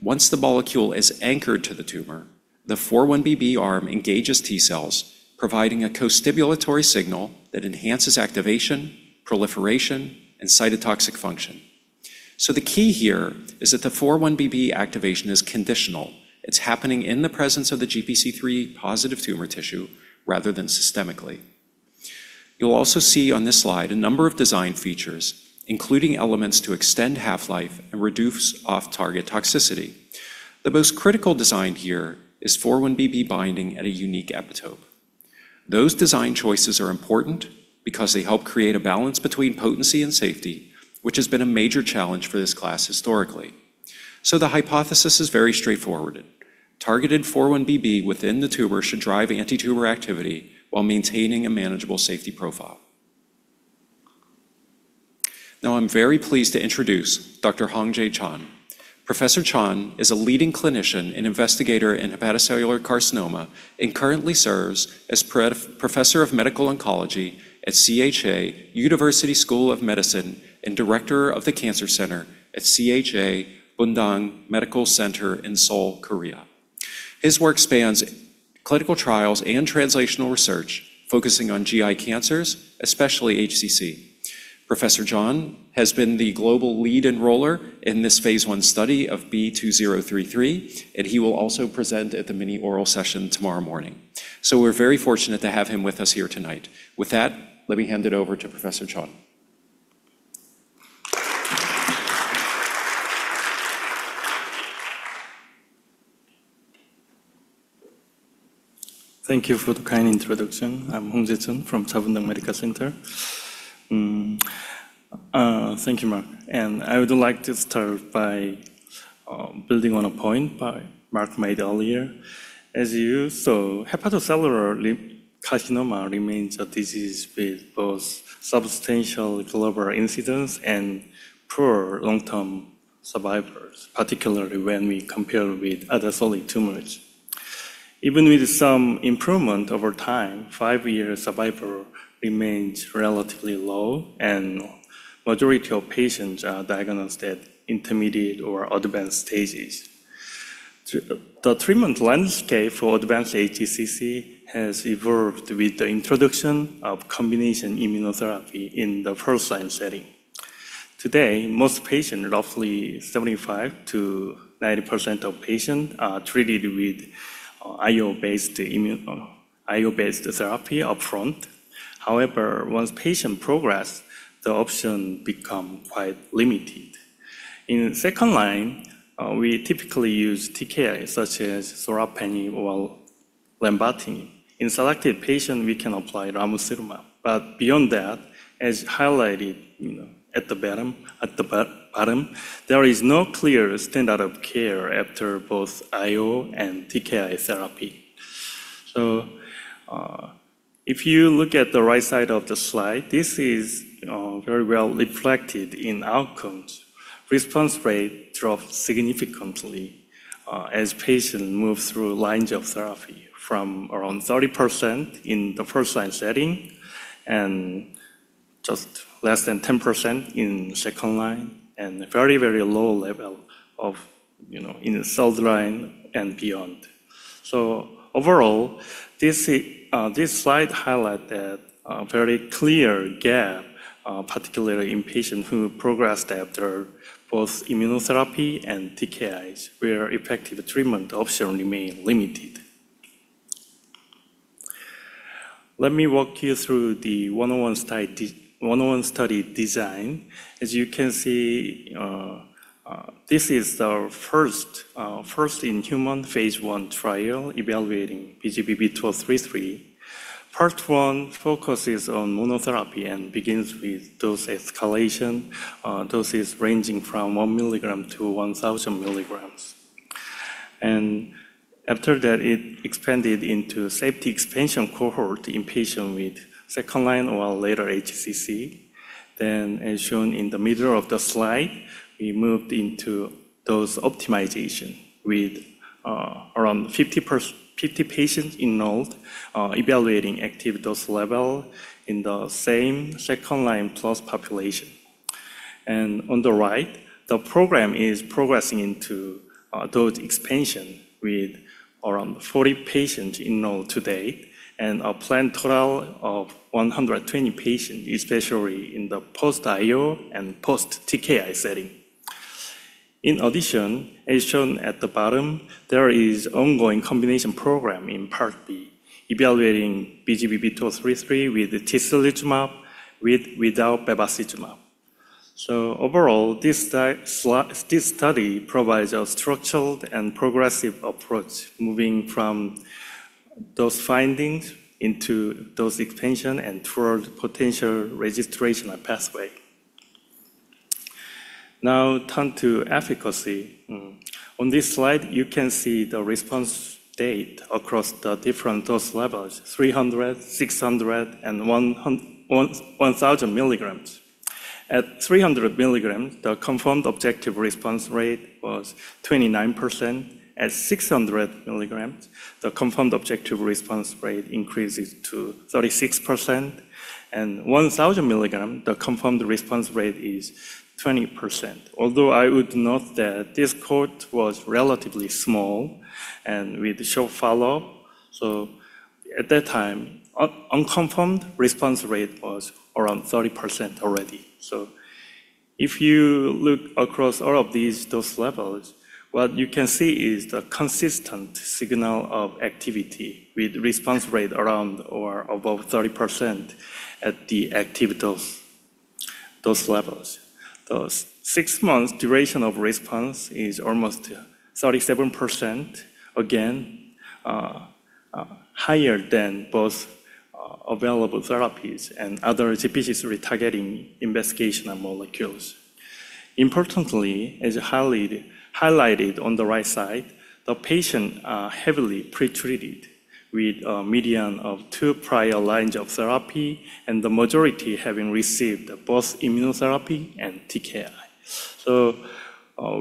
Once the molecule is anchored to the tumor, the 4-1BB arm engages T cells, providing a costimulatory signal that enhances activation, proliferation, and cytotoxic function. The key here is that the 4-1BB activation is conditional. It's happening in the presence of the GPC3-positive tumor tissue rather than systemically. You'll also see on this slide a number of design features, including elements to extend half-life and reduce off-target toxicity. The most critical design here is 4-1BB binding at a unique epitope. Those design choices are important because they help create a balance between potency and safety, which has been a major challenge for this class historically. The hypothesis is very straightforward. Targeted 4-1BB within the tumor should drive anti-tumor activity while maintaining a manageable safety profile. I'm very pleased to introduce Dr. Hong Jae Chon. Professor Chon is a leading clinician and investigator in hepatocellular carcinoma and currently serves as Professor of Medical Oncology at CHA University School of Medicine and Director of the Cancer Center at CHA Bundang Medical Center in Seoul, Korea. His work spans clinical trials and translational research focusing on GI cancers, especially HCC. Professor Chon has been the global lead enroller in this phase I study of B2033, he will also present at the mini oral session tomorrow morning. We're very fortunate to have him with us here tonight. With that, let me hand it over to Professor Chon.
Thank you for the kind introduction. I'm Hong Jae Chon from CHA Bundang Medical Center. Thank you, Mark. I would like to start by building on a point Mark made earlier, as you. Hepatocellular carcinoma remains a disease with both substantial global incidence and poor long-term survival, particularly when we compare with other solid tumors. Even with some improvement over time, five-year survival remains relatively low, and majority of patients are diagnosed at intermediate or advanced stages. The treatment landscape for advanced HCC has evolved with the introduction of combination immunotherapy in the first-line setting. Today, most patients, roughly 75%-90% of patients, are treated with IO-based therapy upfront. However, once patients progress, the options become quite limited. In second line, we typically use TKI, such as sorafenib or lenvatinib. In selected patients, we can apply ramucirumab. Beyond that, as highlighted at the bottom, there is no clear standard of care after both IO and TKI therapy. If you look at the right side of the slide, this is very well reflected in outcomes. Response rate drops significantly as patients move through lines of therapy from around 30% in the first-line setting and just less than 10% in second line and very, very low level in the third line and beyond. Overall, this slide highlights that very clear gap, particularly in patients who progressed after both immunotherapy and TKIs, where effective treatment options remain limited. Let me walk you through the 101 study design. As you can see, this is the first in human phase I trial evaluating BGB-B2033. Part 1 focuses on monotherapy and begins with dose escalation, doses ranging from 1 mg-1,000 mg. After that, it expanded into safety expansion cohort in patients with second-line or later HCC. As shown in the middle of the slide, we moved into dose optimization with around 50 patients enrolled, evaluating active dose level in the same second-line plus population. On the right, the program is progressing into dose expansion with around 40 patients enrolled today and a planned total of 120 patients, especially in the post-IO and post-TKI setting. In addition, as shown at the bottom, there is ongoing combination program in Part B, evaluating BGB-2033 with tislelizumab with or without bevacizumab. Overall, this study provides a structured and progressive approach, moving from those findings into dose expansion and toward potential registrational pathway. Now turn to efficacy. On this slide, you can see the response rate across the different dose levels, 300, 600, and 1,000 mg. At 300 mg, the confirmed objective response rate was 29%. At 600 mg, the confirmed objective response rate increases to 36%, and 1,000 mg, the confirmed response rate is 20%. Although I would note that this cohort was relatively small and with short follow-up, at that time, unconfirmed response rate was around 30% already. If you look across all of these dose levels, what you can see is the consistent signal of activity with response rate around or above 30% at the active dose levels. The six months duration of response is almost 37%, again, higher than both available therapies and other GPC3 retargeting investigational molecules. Importantly, as highlighted on the right side, the patients are heavily pretreated with a median of two prior lines of therapy and the majority having received both immunotherapy and TKI.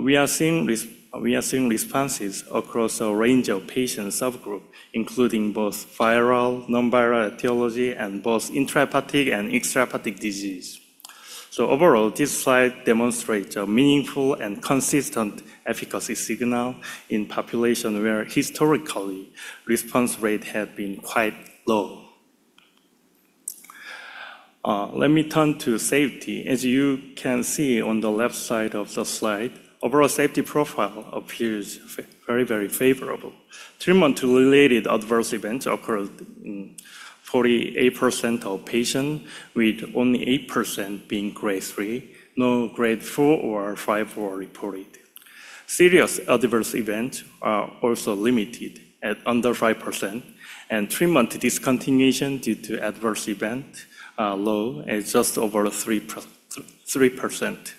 We are seeing responses across a range of patient subgroup, including both viral, non-viral etiology, and both intrahepatic and extrahepatic disease. Overall, this slide demonstrates a meaningful and consistent efficacy signal in population where historically, response rate had been quite low. Let me turn to safety. As you can see on the left side of the slide, overall safety profile appears very, very favorable. Treatment-related adverse events occurred in 48% of patients, with only 8% being Grade 3. No Grade 3 or 5 were reported. Serious adverse events are also limited at under 5%, and treatment discontinuation due to adverse event are low at just over 3%.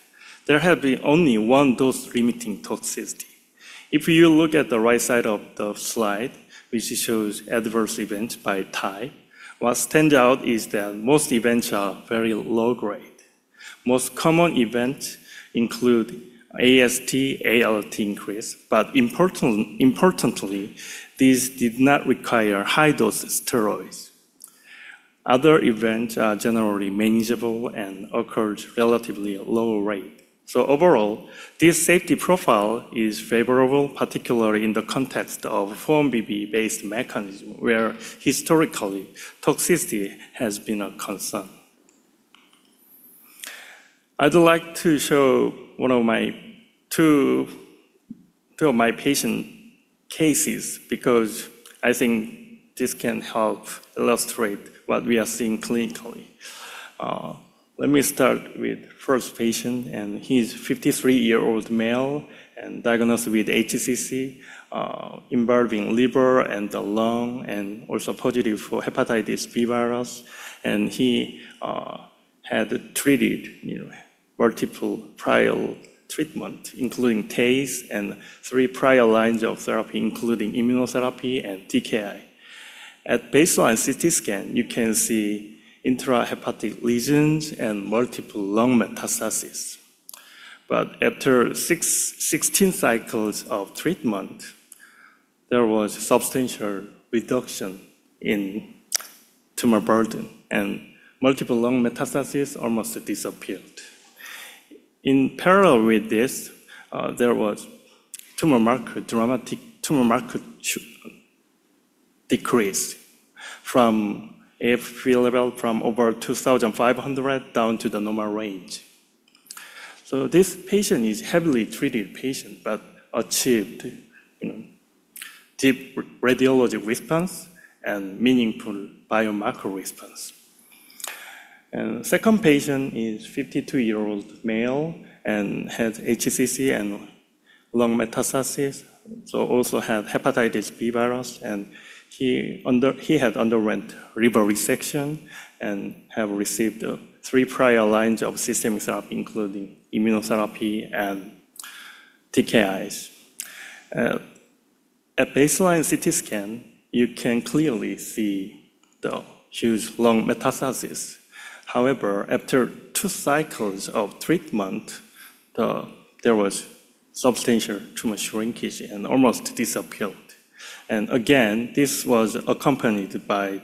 There have been only one dose-limiting toxicity. If you look at the right side of the slide, which shows adverse events by type, what stands out is that most events are very low grade. Most common event include AST, ALT increase, importantly, these did not require high-dose steroids. Other events are generally manageable and occurred relatively at lower rate. Overall, this safety profile is favorable, particularly in the context of a 4-1BB-based mechanism, where historically, toxicity has been a concern. I'd like to show two of my patient cases because I think this can help illustrate what we are seeing clinically. Let me start with first patient, he's 53-year-old male and diagnosed with HCC, involving liver and the lung and also positive for hepatitis B virus. He had treated multiple prior treatment, including TACE and three prior lines of therapy, including immunotherapy and TKI. At baseline CT scan, you can see intrahepatic lesions and multiple lung metastases. After 16 cycles of treatment, there was substantial reduction in tumor burden, and multiple lung metastases almost disappeared. In parallel with this, there was dramatic tumor marker decrease from AFP level from over 2,500 down to the normal range. This patient is heavily treated patient but achieved deep radiologic response and meaningful biomarker response. Second patient is 52-year-old male and had HCC and lung metastases, so also had hepatitis B virus. He had underwent liver resection and have received three prior lines of systemic therapy, including immunotherapy and TKIs. At baseline CT scan, you can clearly see the huge lung metastases. However, after two cycles of treatment, there was substantial tumor shrinkage and almost disappeared. Again, this was accompanied by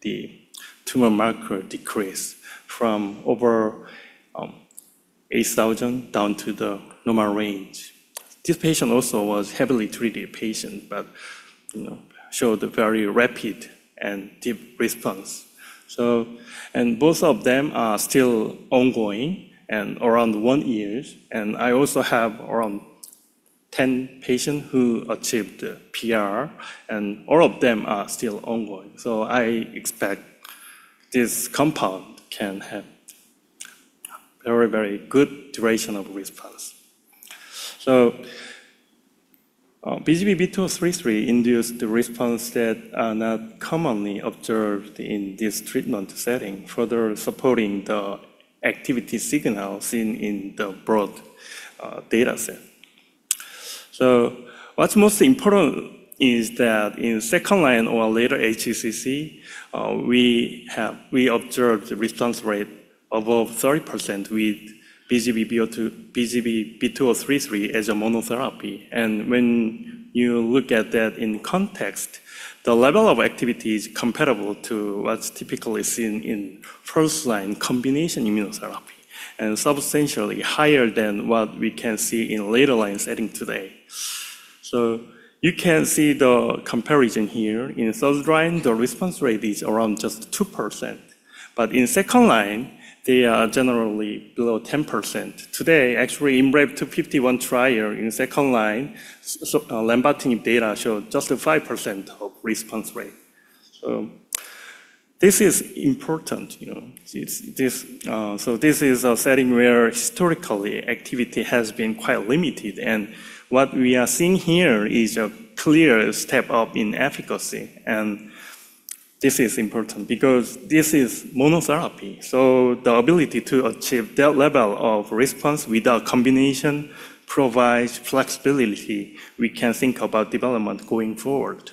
the tumor marker decrease from over 8,000 down to the normal range. This patient also was heavily treated patient but showed a very rapid and deep response. Both of them are still ongoing and around one years. I also have around 10 patient who achieved PR, and all of them are still ongoing. I expect this compound can have very, very good duration of response. BGB-2033 induced the response that are not commonly observed in this treatment setting, further supporting the activity signal seen in the broad data set. What's most important is that in second-line or later HCC, we observed the response rate above 30% with BGB-2033 as a monotherapy. When you look at that in context, the level of activity is comparable to what's typically seen in first-line combination immunotherapy and substantially higher than what we can see in later-line setting today. You can see the comparison here. In first line, the response rate is around just 2%, but in second line, they are generally below 10%. Today, actually, in REACH-2 trial in second line, lenvatinib data showed just a 5% of response rate. This is important. This is a setting where historically, activity has been quite limited, and what we are seeing here is a clear step up in efficacy, and this is important because this is monotherapy. The ability to achieve that level of response without combination provides flexibility we can think about development going forward.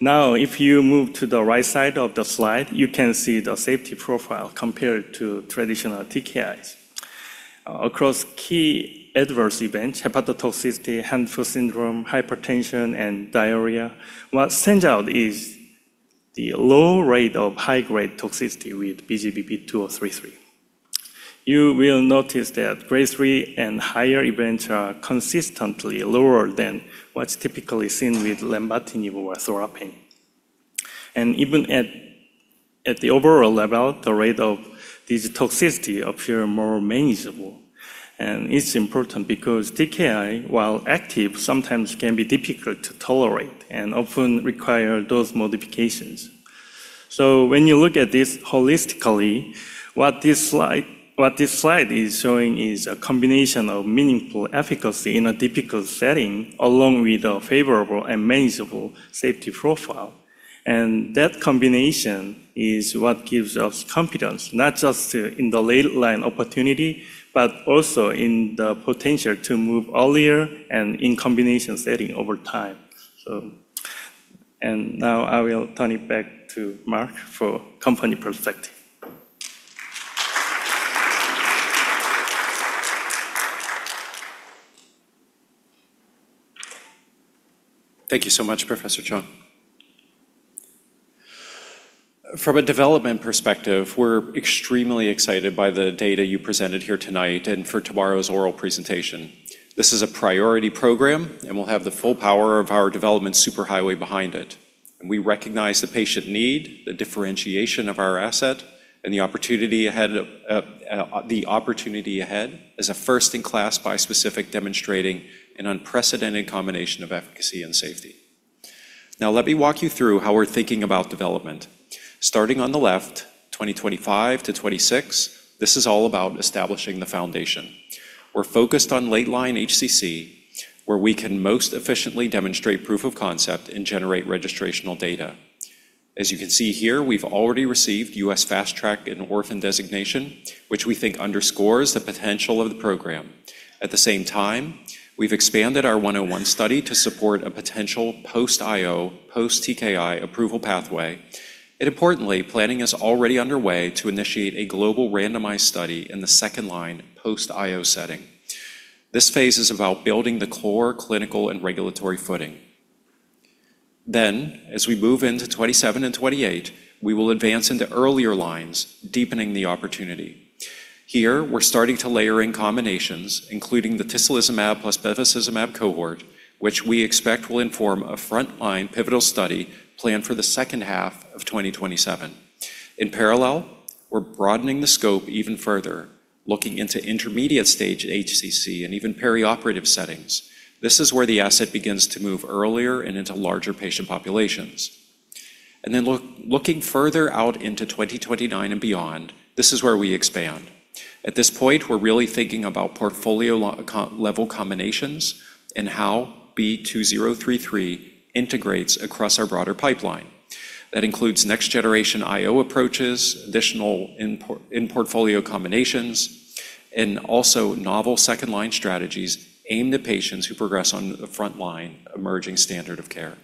Now, if you move to the right side of the slide, you can see the safety profile compared to traditional TKIs. Across key adverse events, hepatotoxicity, hand-foot syndrome, hypertension, and diarrhea, what stands out is the low rate of high-grade toxicity with BGB-2033. You will notice that Grade 3 and higher events are consistently lower than what's typically seen with lenvatinib or sorafenib. Even at the overall level, the rate of these toxicity appear more manageable. It's important because TKI, while active, sometimes can be difficult to tolerate and often require dose modifications. When you look at this holistically, what this slide is showing is a combination of meaningful efficacy in a difficult setting, along with a favorable and manageable safety profile. That combination is what gives us confidence, not just in the late-line opportunity, but also in the potential to move earlier and in combination setting over time. Now I will turn it back to Mark for company perspective.
Thank you so much, Professor Chon. From a development perspective, we're extremely excited by the data you presented here tonight and for tomorrow's oral presentation. This is a priority program, will have the full power of our development super highway behind it. We recognize the patient need, the differentiation of our asset, and the opportunity ahead as a first-in-class bispecific demonstrating an unprecedented combination of efficacy and safety. Now let me walk you through how we're thinking about development. Starting on the left, 2025 to 2026, this is all about establishing the foundation. We're focused on late-line HCC, where we can most efficiently demonstrate proof of concept and generate registrational data. As you can see here, we've already received U.S. Fast Track and Orphan Designation, which we think underscores the potential of the program. At the same time, we've expanded our 101 study to support a potential post-IO, post-TKI approval pathway. Importantly, planning is already underway to initiate a global randomized study in the 2nd-line post-IO setting. This phase is about building the core clinical and regulatory footing. As we move into 2027 and 2028, we will advance into earlier lines, deepening the opportunity. Here, we're starting to layer in combinations, including the tislelizumab plus bevacizumab cohort, which we expect will inform a frontline pivotal study planned for the second half of 2027. In parallel, we're broadening the scope even further, looking into intermediate stage HCC and even perioperative settings. This is where the asset begins to move earlier and into larger patient populations. Looking further out into 2029 and beyond, this is where we expand. At this point, we're really thinking about portfolio level combinations and how B2033 integrates across our broader pipeline. That includes next generation IO approaches, additional in-portfolio combinations, and also novel second-line strategies aimed at patients who progress on the frontline emerging standard of care.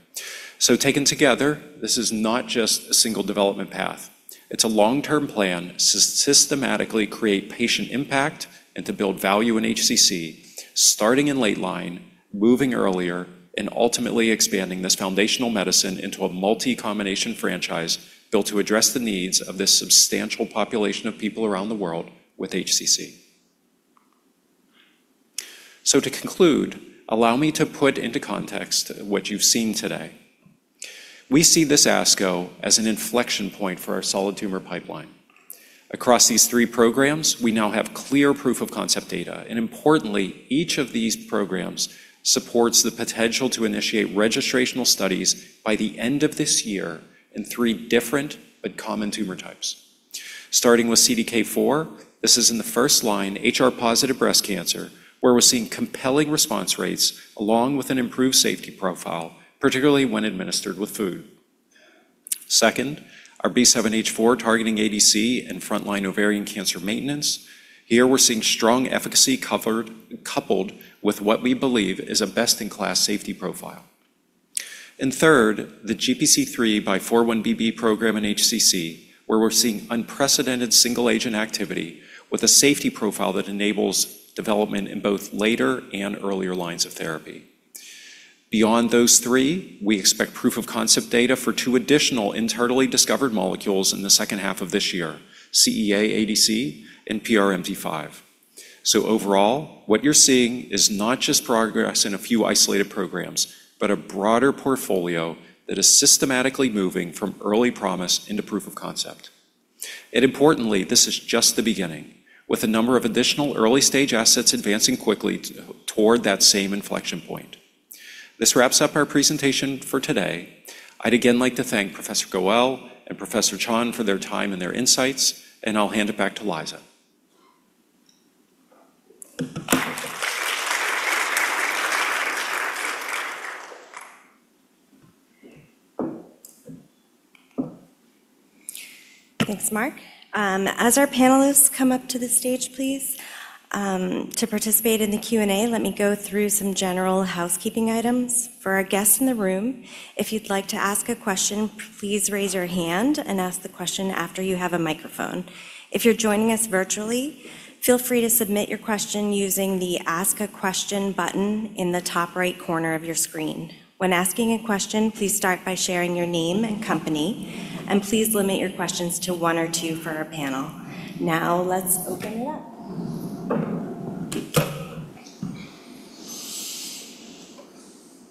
Taken together, this is not just a single development path. It's a long-term plan to systematically create patient impact and to build value in HCC, starting in late line, moving earlier, and ultimately expanding this foundational medicine into a multi-combination franchise built to address the needs of this substantial population of people around the world with HCC. To conclude, allow me to put into context what you've seen today. We see this ASCO as an inflection point for our solid tumor pipeline. Across these three programs, we now have clear proof of concept data. Importantly, each of these programs supports the potential to initiate registrational studies by the end of this year in three different but common tumor types. Starting with CDK4, this is in the first-line HR-positive breast cancer, where we're seeing compelling response rates along with an improved safety profile, particularly when administered with food. Second, our B7-H4 targeting ADC and frontline ovarian cancer maintenance. Here we're seeing strong efficacy coupled with what we believe is a best-in-class safety profile. Third, the GPC3x4-1BB program in HCC, where we're seeing unprecedented single-agent activity with a safety profile that enables development in both later and earlier lines of therapy. Beyond those three, we expect proof of concept data for two additional internally discovered molecules in the second half of this year: CEA-ADC and PRMT5. Overall, what you're seeing is not just progress in a few isolated programs, but a broader portfolio that is systematically moving from early promise into proof of concept. Importantly, this is just the beginning, with a number of additional early-stage assets advancing quickly toward that same inflection point. This wraps up our presentation for today. I'd again like to thank Professor Goel and Professor Chon for their time and their insights, and I'll hand it back to Liza.
Thanks, Mark. As our panelists come up to the stage, please, to participate in the Q&A, let me go through some general housekeeping items. For our guests in the room, if you'd like to ask a question, please raise your hand and ask the question after you have a microphone. If you're joining us virtually, feel free to submit your question using the Ask a Question button in the top right corner of your screen. When asking a question, please start by sharing your name and company, and please limit your questions to one or two for our panel. Now let's open it up.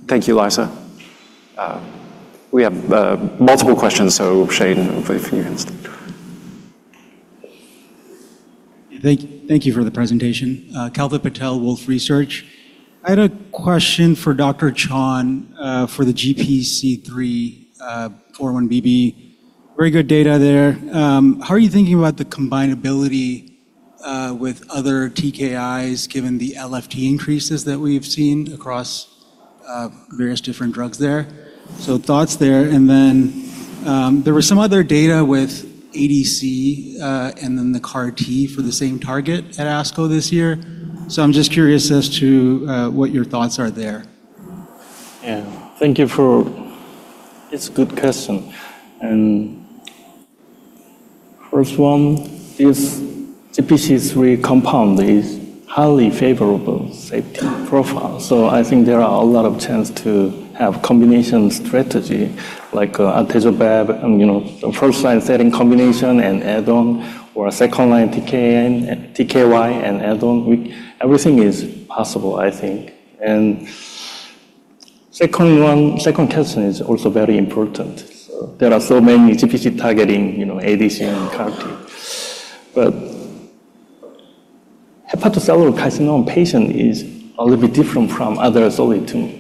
Thank you, Liza. We have multiple questions, so Shane, if you can start.
Thank you for the presentation. Kalpit Patel, Wolfe Research. I had a question for Professor Chon for the GPC3x4-1BB. Very good data there. How are you thinking about the combinability with other TKIs given the LFT increases that we've seen across various different drugs there? Thoughts there. There was some other data with ADC, and then the CAR T for the same target at ASCO this year. I'm just curious as to what your thoughts are there.
Yeah, thank you. It's a good question. First one is, GPC3 compound is highly favorable safety profile. I think there are a lot of chance to have combination strategy like atezolizumab, first-line setting combination and add-on, or a second-line TKI and add-on. Everything is possible, I think. Second question is also very important. There are so many GPC targeting ADC and CAR T. Hepatocellular carcinoma patient is a little bit different from other solid tumor.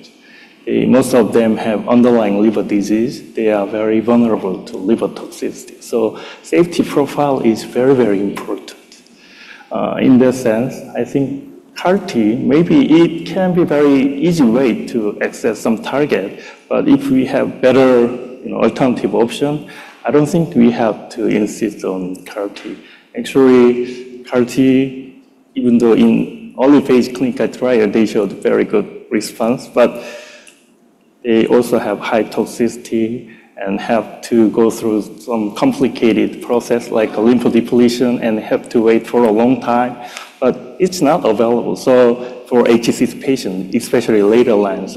Most of them have underlying liver disease. They are very vulnerable to liver toxicity. Safety profile is very important. In that sense, I think CAR T, maybe it can be very easy way to access some target, but if we have better alternative option, I don't think we have to insist on CAR T. Actually, CAR T, even though in early phase clinical trial, they showed very good response, but they also have high toxicity and have to go through some complicated process like lymphodepletion and have to wait for a long time. It's not available for HCC patient, especially later line.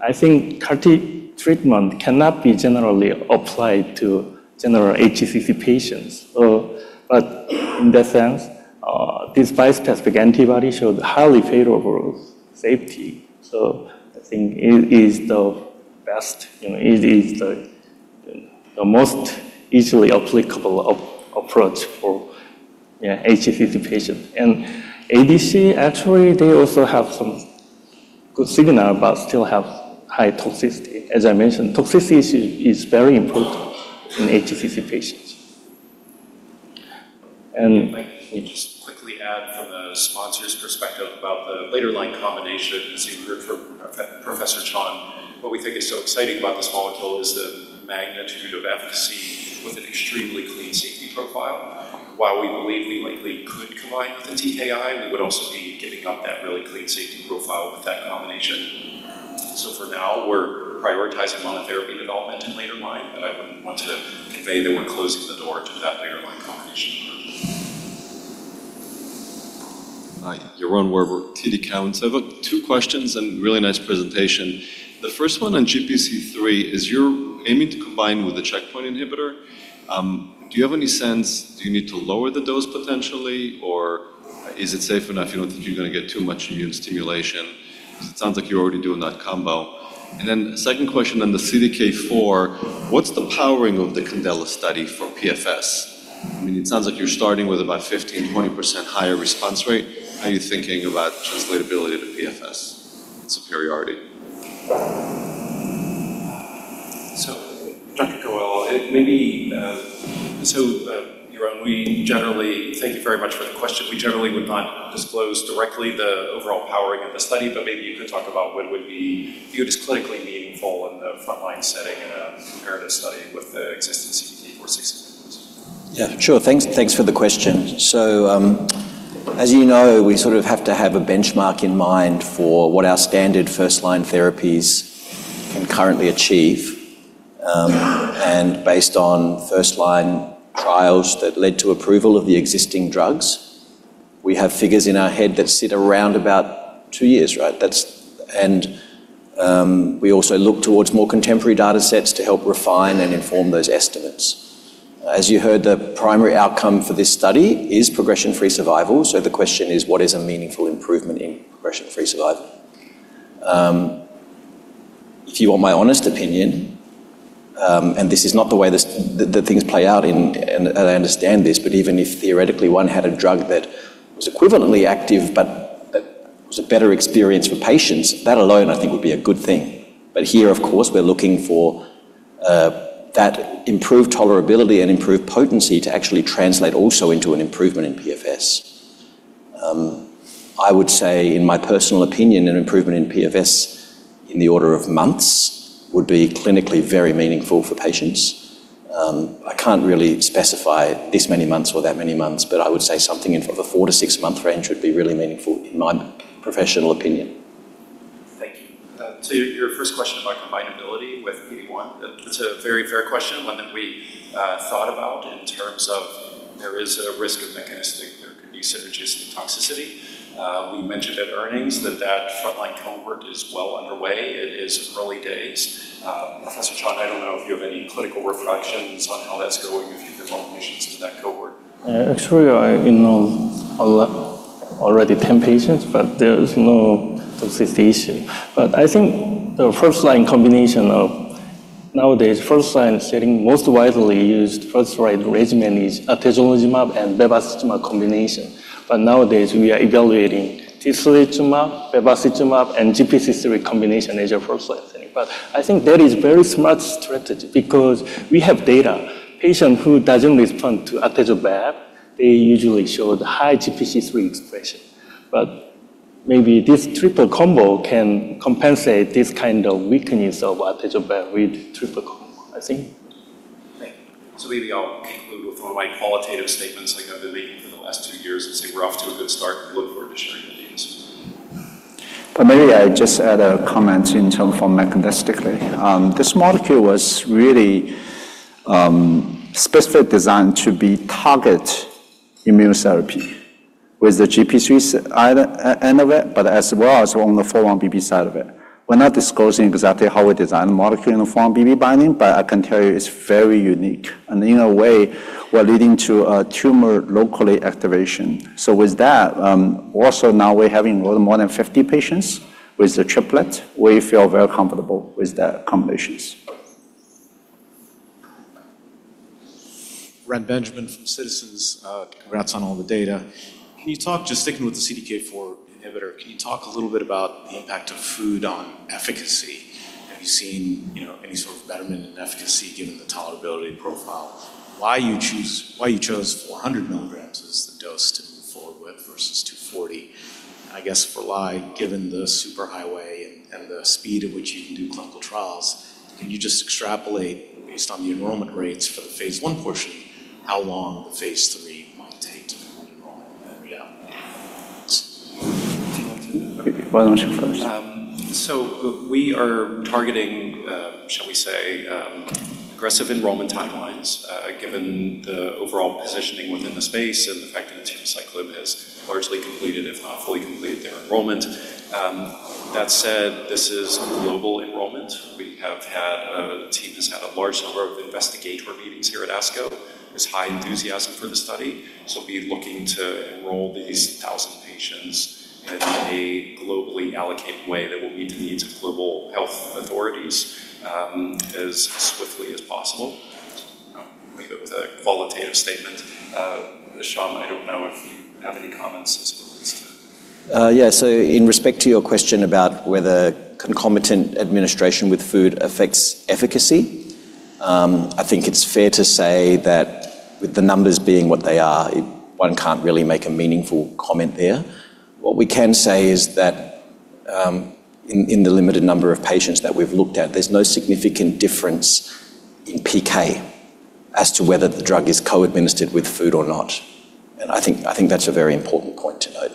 I think CAR T treatment cannot be generally applied to general HCC patients. In that sense, this bispecific antibody showed highly favorable safety. I think it is the most easily applicable approach for HCC patient. ADC, actually, they also have some good signal, but still have high toxicity. As I mentioned, toxicity is very important in HCC patients.
Let me just quickly add from a sponsor's perspective about the later line combination you heard from Professor Chon. What we think is so exciting about this molecule is the magnitude of efficacy with an extremely clean safety profile. While we believe we likely could combine with the TKI, we would also be giving up that really clean safety profile with that combination. For now, we're prioritizing monotherapy development in later line, but I wouldn't want to convey that we're closing the door to that later line combination approach.
Hi. Yaron Werber, TD Cowen. I've got two questions and really nice presentation. The first one on GPC3 is you're aiming to combine with a checkpoint inhibitor. Do you have any sense, do you need to lower the dose potentially, or is it safe enough you don't think you're going to get too much immune stimulation? Because it sounds like you're already doing that combo. Then second question on the CDK4, what's the powering of the CANDELA study for PFS? It sounds like you're starting with about 15%-20% higher response rate. How are you thinking about translatability to PFS and superiority?
Dr. Goel. Yaron, thank you very much for the question. We generally would not disclose directly the overall powering of the study, but maybe you could talk about what would be viewed as clinically meaningful in the frontline setting in a comparative study with the existing CDK4/6 inhibitors.
Yeah, sure. Thanks for the question. As you know, we sort of have to have a benchmark in mind for what our standard first-line therapies can currently achieve. Based on first-line trials that led to approval of the existing drugs, we have figures in our head that sit around about two years, right? We also look towards more contemporary data sets to help refine and inform those estimates. As you heard, the primary outcome for this study is progression-free survival. The question is, what is a meaningful improvement in progression-free survival? If you want my honest opinion, and this is not the way that things play out, and I understand this, but even if theoretically one had a drug that was equivalently active but was a better experience for patients, that alone I think would be a good thing. Here, of course, we're looking for that improved tolerability and improved potency to actually translate also into an improvement in PFS. I would say, in my personal opinion, an improvement in PFS in the order of months would be clinically very meaningful for patients. I can't really specify this many months or that many months, but I would say something in the four-six month range would be really meaningful, in my professional opinion.
Thank you. To your first question about combinability with PD1, that's a very fair question, one that we thought about in terms of there is a risk of mechanistic, there could be synergistic toxicity. We mentioned at earnings that that frontline cohort is well underway. It is early days. Professor Chon, I don't know if you have any clinical reflections on how that's going, if you've enrolled patients into that cohort.
Actually, I enrolled already 10 patients. There is no toxicity issue. I think the first-line combination nowadays, first-line setting, most widely used first-line regimen is atezolizumab and bevacizumab combination. Nowadays, we are evaluating tislelizumab, bevacizumab, and GPC3 combination as a first-line setting. I think that is very smart strategy because we have data. Patient who doesn't respond to atezolizumab, they usually showed high GPC3 expression. Maybe this triple combo can compensate this kind of weakness of atezolizumab with triple combo, I think.
Thank you. Maybe I'll conclude with one of my qualitative statements like I've been making for the last two years and say we're off to a good start and look forward to sharing the news.
Maybe I just add a comment in term for mechanistically. This molecule was really specifically designed to be target immunotherapy with the GPC3 end of it, but as well as on the 4-1BB side of it. We're not disclosing exactly how we design the molecule and the 4-1BB binding, but I can tell you it's very unique. In a way, we're leading to a tumor local activation. With that, also now we're having more than 50 patients with the triplet. We feel very comfortable with the combinations.
Ren Benjamin from Citizens. Congrats on all the data. Sticking with the CDK4 inhibitor, can you talk a little bit about the impact of food on efficacy? Have you seen any sort of betterment in efficacy given the tolerability profile? Why you chose 400 mg as the dose to move forward with versus 240? I guess for Lai, given the super highway and the speed at which you can do clinical trials, can you just extrapolate based on the enrollment rates for the phase I portion, how long the phase III might take to enroll in? Yeah.
If you want to.
Why don't you go first?
Okay. We are targeting, shall we say, aggressive enrollment timelines, given the overall positioning within the space and the fact that the temsirolimus is largely completed, if not fully completed, their enrollment. That said, this is a global enrollment. The team has had a large number of investigator meetings here at ASCO. There's high enthusiasm for the study, so we'll be looking to enroll these 1,000 patients in a globally allocated way that will meet the needs of global health authorities as swiftly as possible. I'll leave it with a qualitative statement. Shyam, I don't know if you have any comments as well, please.
In respect to your question about whether concomitant administration with food affects efficacy, I think it's fair to say that with the numbers being what they are, one can't really make a meaningful comment there. What we can say is that in the limited number of patients that we've looked at, there's no significant difference in PK as to whether the drug is co-administered with food or not. I think that's a very important point to note.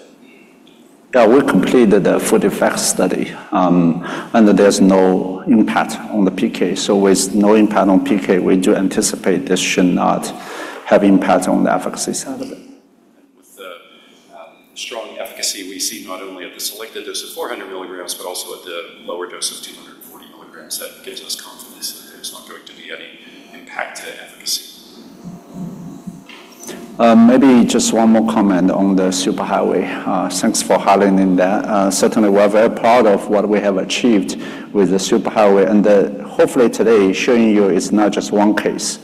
Yeah, we completed the food effects study, there's no impact on the PK. With no impact on PK, we do anticipate this should not have impact on the efficacy side of it.
With the strong efficacy we see not only at the selected dose of 400 mg, but also at the lower dose of 240 mg, that gives us confidence that there's not going to be any impact to efficacy.
Maybe just one more comment on the super highway. Thanks for highlighting that. Certainly, we're very proud of what we have achieved with the super highway, and that hopefully today showing you it's not just one case.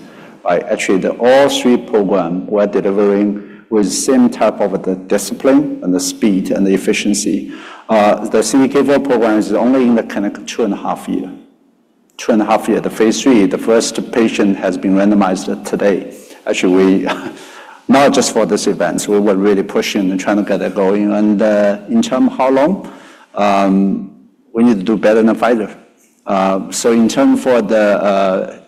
Actually, all three programs we're delivering with the same type of the discipline and the speed and the efficiency. The CDK4 program is only in the clinic 2.5 years. 2.5 years, the phase III, the first patient has been randomized today. Actually, not just for this event. We were really pushing and trying to get that going. In term how long, we need to do better than a Pfizer. In term for the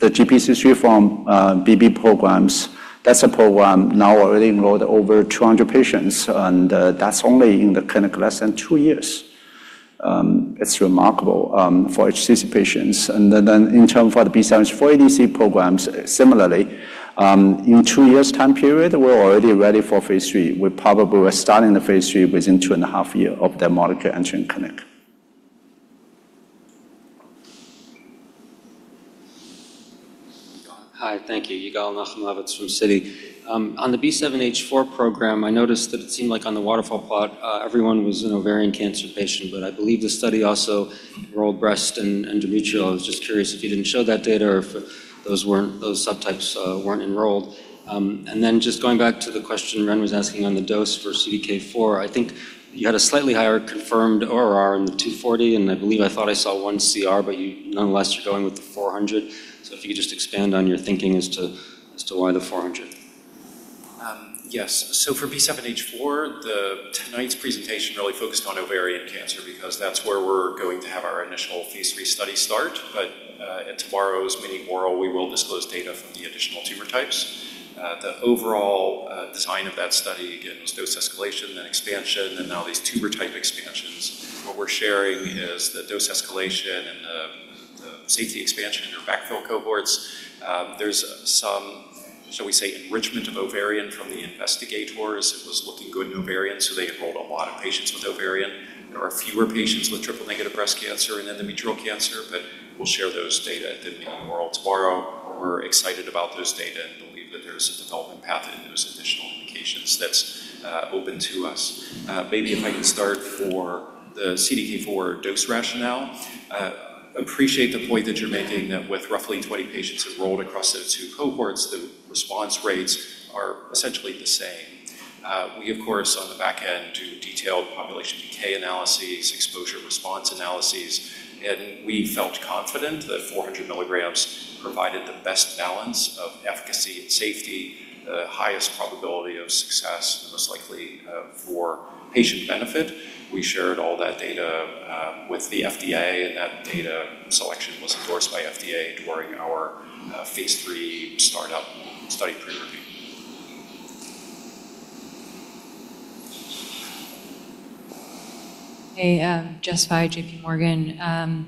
GPC3x4-1BB programs, that's a program now already enrolled over 200 patients, and that's only in the clinic less than two years. It's remarkable for HCC patients. Then in term for the B7-H4 ADC programs, similarly, in two years time period, we're already ready for phase III. We're probably starting the phase III within two and a half year of that molecule entering clinic.
Hi, thank you. Yigal Nochomovitz from Citi. On the B7-H4 program, I noticed that it seemed like on the waterfall plot, everyone was an ovarian cancer patient, but I believe the study also enrolled breast and endometrial. I was just curious if you didn't show that data or if those subtypes weren't enrolled. Just going back to the question Reni was asking on the dose for CDK4, I think you had a slightly higher confirmed ORR in the 240, and I believe I thought I saw one CR, but nonetheless, you're going with the 400. If you could just expand on your thinking as to why the 400.
Yes. For B7-H4, tonight's presentation really focused on ovarian cancer because that's where we're going to have our initial phase III study start. At tomorrow's meeting oral, we will disclose data from the additional tumor types. The overall design of that study, again, was dose escalation, then expansion, and now these tumor type expansions. What we're sharing is the dose escalation and the safety expansion in our backfill cohorts. There's some, shall we say, enrichment of ovarian from the investigators. It was looking good in ovarian, so they enrolled a lot of patients with ovarian. There are fewer patients with triple-negative breast cancer and endometrial cancer, but we'll share those data at the meeting oral tomorrow. We're excited about those data and believe that there's a development path in those additional indications that's open to us. Maybe if I could start for the CDK4 dose rationale. Appreciate the point that you're making that with roughly 20 patients enrolled across those two cohorts, the response rates are essentially the same. We of course, on the back end, do detailed population decay analyses, exposure response analyses, and we felt confident that 400 mg provided the best balance of efficacy and safety, the highest probability of success, and most likely for patient benefit. We shared all that data with the FDA, and that data selection was endorsed by FDA during our phase III startup study pre-review.
Hey, Jess Fye, JPMorgan.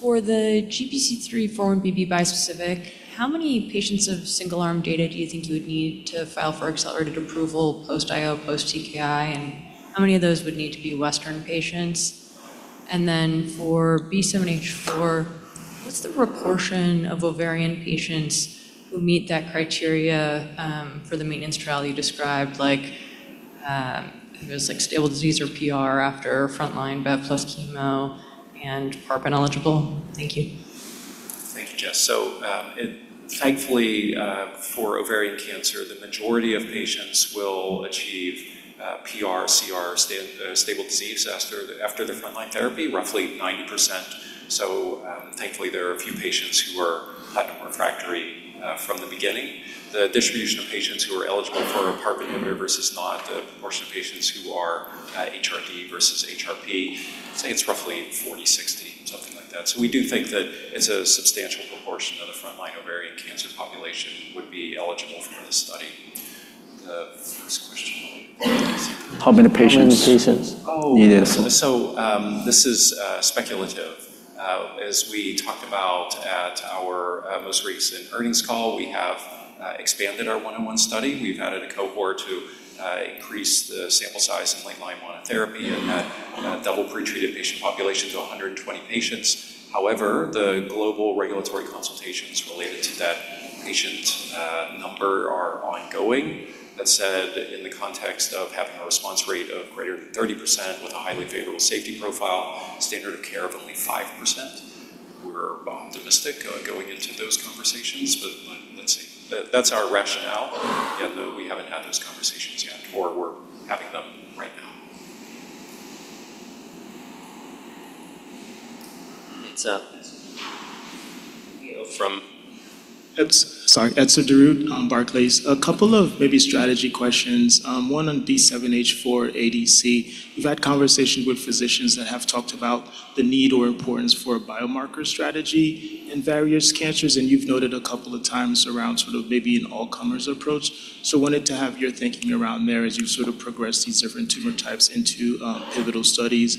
For the GPC3x4-1BB bispecific, how many patients of single-arm data do you think you would need to file for accelerated approval post-IO, post-TKI, and how many of those would need to be Western patients? For B7-H4, what's the proportion of ovarian patients who meet that criteria for the maintenance trial you described, it was stable disease or PR after frontline bevacizumab plus chemotherapy and PARP ineligible? Thank you.
Thank you, Jess. Thankfully for ovarian cancer, the majority of patients will achieve PR, CR, stable disease after the frontline therapy, roughly 90%. Thankfully, there are a few patients who are platinum refractory from the beginning. The distribution of patients who are eligible for a PARP inhibitor versus not, the proportion of patients who are HRD versus HRP, I'd say it's roughly 40/60, something like that. We do think that it's a substantial proportion of the frontline ovarian cancer population would be eligible for this study. The first question was?
How many patients?
How many patients?
needed. This is speculative. As we talked about at our most recent earnings call, we have expanded our 101 study. We've added a cohort to increase the sample size in late-line monotherapy and double pre-treated patient population to 120 patients. The global regulatory consultations related to that patient number are ongoing. In the context of having a response rate of greater than 30% with a highly favorable safety profile, standard of care of only 5%, we're optimistic going into those conversations, let's see. That's our rationale, again, though, we haven't had those conversations yet, or we're having them right now.
Thanks.
Etzer Darout, Barclays. A couple of maybe strategy questions. One on B7-H4 ADC. We've had conversations with physicians that have talked about the need or importance for a biomarker strategy in various cancers, and you've noted a couple of times around maybe an all-comers approach. Wanted to have your thinking around there as you progress these different tumor types into pivotal studies.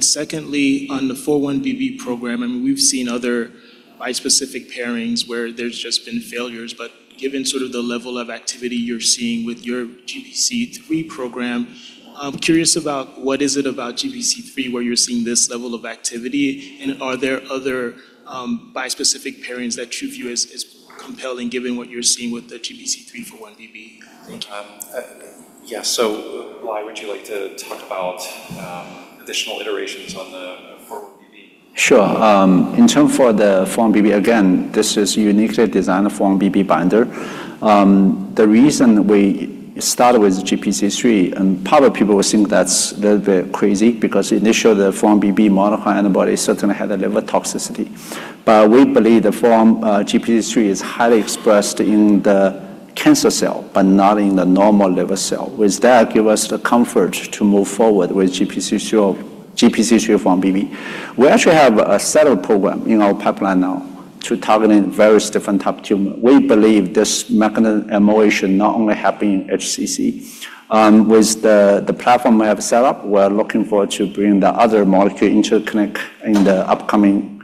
Secondly, on the 4-1BB program, we've seen other bispecific pairings where there's just been failures, but given the level of activity you're seeing with your GPC3 program, I'm curious about what is it about GPC3 where you're seeing this level of activity, and are there other bispecific pairings that TrueView is compelling given what you're seeing with the GPC3-4-1BB?
Yeah. Lai, would you like to talk about additional iterations on the 4-1BB?
Sure. In terms for the 4-1BB, again, this is uniquely designed 4-1BB binder. We believe the GPC3 is highly expressed in the cancer cell, but not in the normal level cell. With that, give us the comfort to move forward with GPC3 of 4-1BB. We actually have a set of program in our pipeline now to target in various different type tumor. We believe this mechanism of MOA should not only happen in HCC. With the platform we have set up, we are looking forward to bring the other molecule interconnect in the upcoming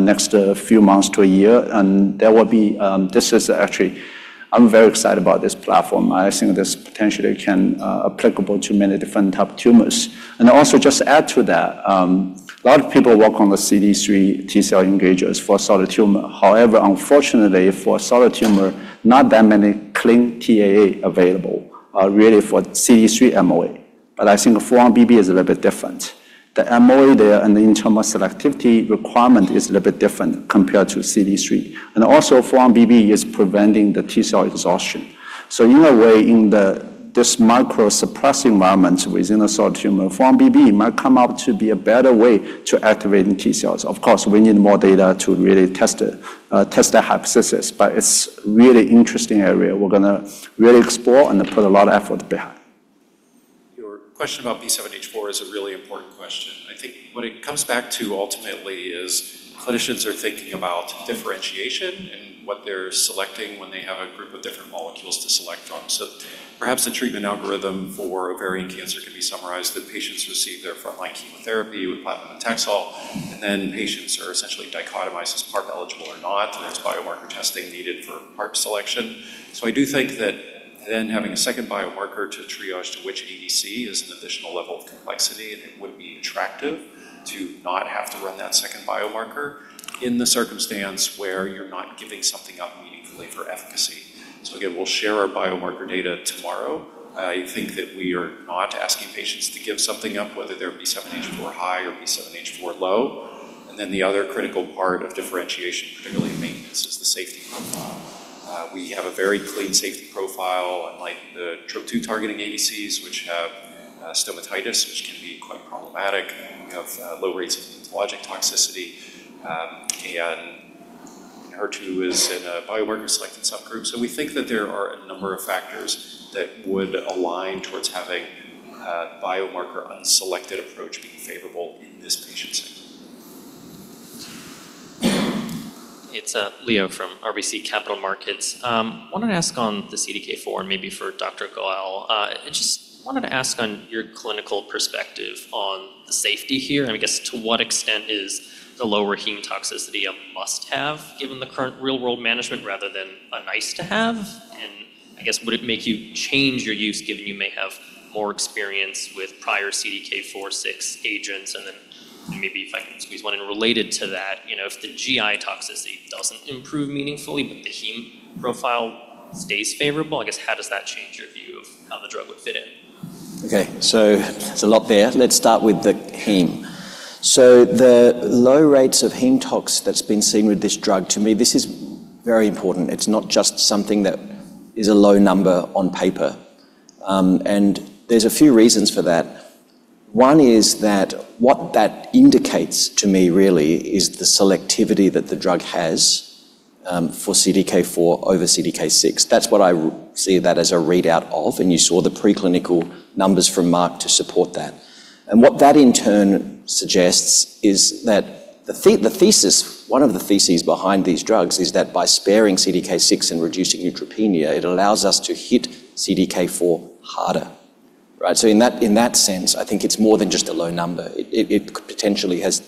next few months to a year. This is actually. I'm very excited about this platform. I think it potentially can applicable to many different type tumors. Also just add to that, a lot of people work on the CD3 T cell engagers for solid tumor. However, unfortunately for solid tumor, not that many clean TAA available are really for CD3 MOA. But I think 4-1BB is a little bit different. The MOA there and the internal selectivity requirement is a little bit different compared to CD3. Also 4-1BB is preventing the T cell exhaustion. So in a way, in this micro suppressing environment within a solid tumor, 4-1BB might come out to be a better way to activate the T cells. Of course, we need more data to really test the hypothesis, but it's really interesting area we're going to really explore and put a lot of effort behind.
Your question about B7-H4 is a really important question. I think what it comes back to ultimately is clinicians are thinking about differentiation and what they're selecting when they have a group of different molecules to select from. Perhaps the treatment algorithm for ovarian cancer can be summarized that patients receive their frontline chemotherapy with platinum and Taxol, and then patients are essentially dichotomized as PARP eligible or not, and there's biomarker testing needed for PARP selection. I do think that then having a second biomarker to triage to which ADC is an additional level of complexity, and it would be attractive to not have to run that second biomarker in the circumstance where you're not giving something up meaningfully for efficacy. Again, we'll share our biomarker data tomorrow. I think that we are not asking patients to give something up, whether they're B7-H4 high or B7-H4 low. The other critical part of differentiation, particularly in maintenance, is the safety profile. We have a very clean safety profile, unlike the Trop-2 targeting ADCs, which have stomatitis, which can be quite problematic. We have low rates of hematologic toxicity, and HER2 is in a biomarker selected subgroup. We think that there are a number of factors that would align towards having a biomarker unselected approach being favorable in this patient set.
It's Leo from RBC Capital Markets. Wanted to ask on the CDK4, maybe for Dr. Goel. I just wanted to ask on your clinical perspective on the safety here, and I guess to what extent is the lower heme toxicity a must-have given the current real-world management rather than a nice-to-have. I guess would it make you change your use given you may have more experience with prior CDK4/6 agents? Maybe if I can squeeze one in related to that, if the GI toxicity doesn't improve meaningfully, but the heme profile stays favorable, I guess how does that change your view of how the drug would fit in?
Okay. There's a lot there. Let's start with the heme. The low rates of heme tox that's been seen with this drug, to me, this is very important. It's not just something that is a low number on paper. There's a few reasons for that. One is that what that indicates to me really is the selectivity that the drug has for CDK4 over CDK6. That's what I see that as a readout of, and you saw the preclinical numbers from Mark to support that. What that in turn suggests is that one of the theses behind these drugs is that by sparing CDK6 and reducing neutropenia, it allows us to hit CDK4 harder. Right. In that sense, I think it's more than just a low number. It potentially has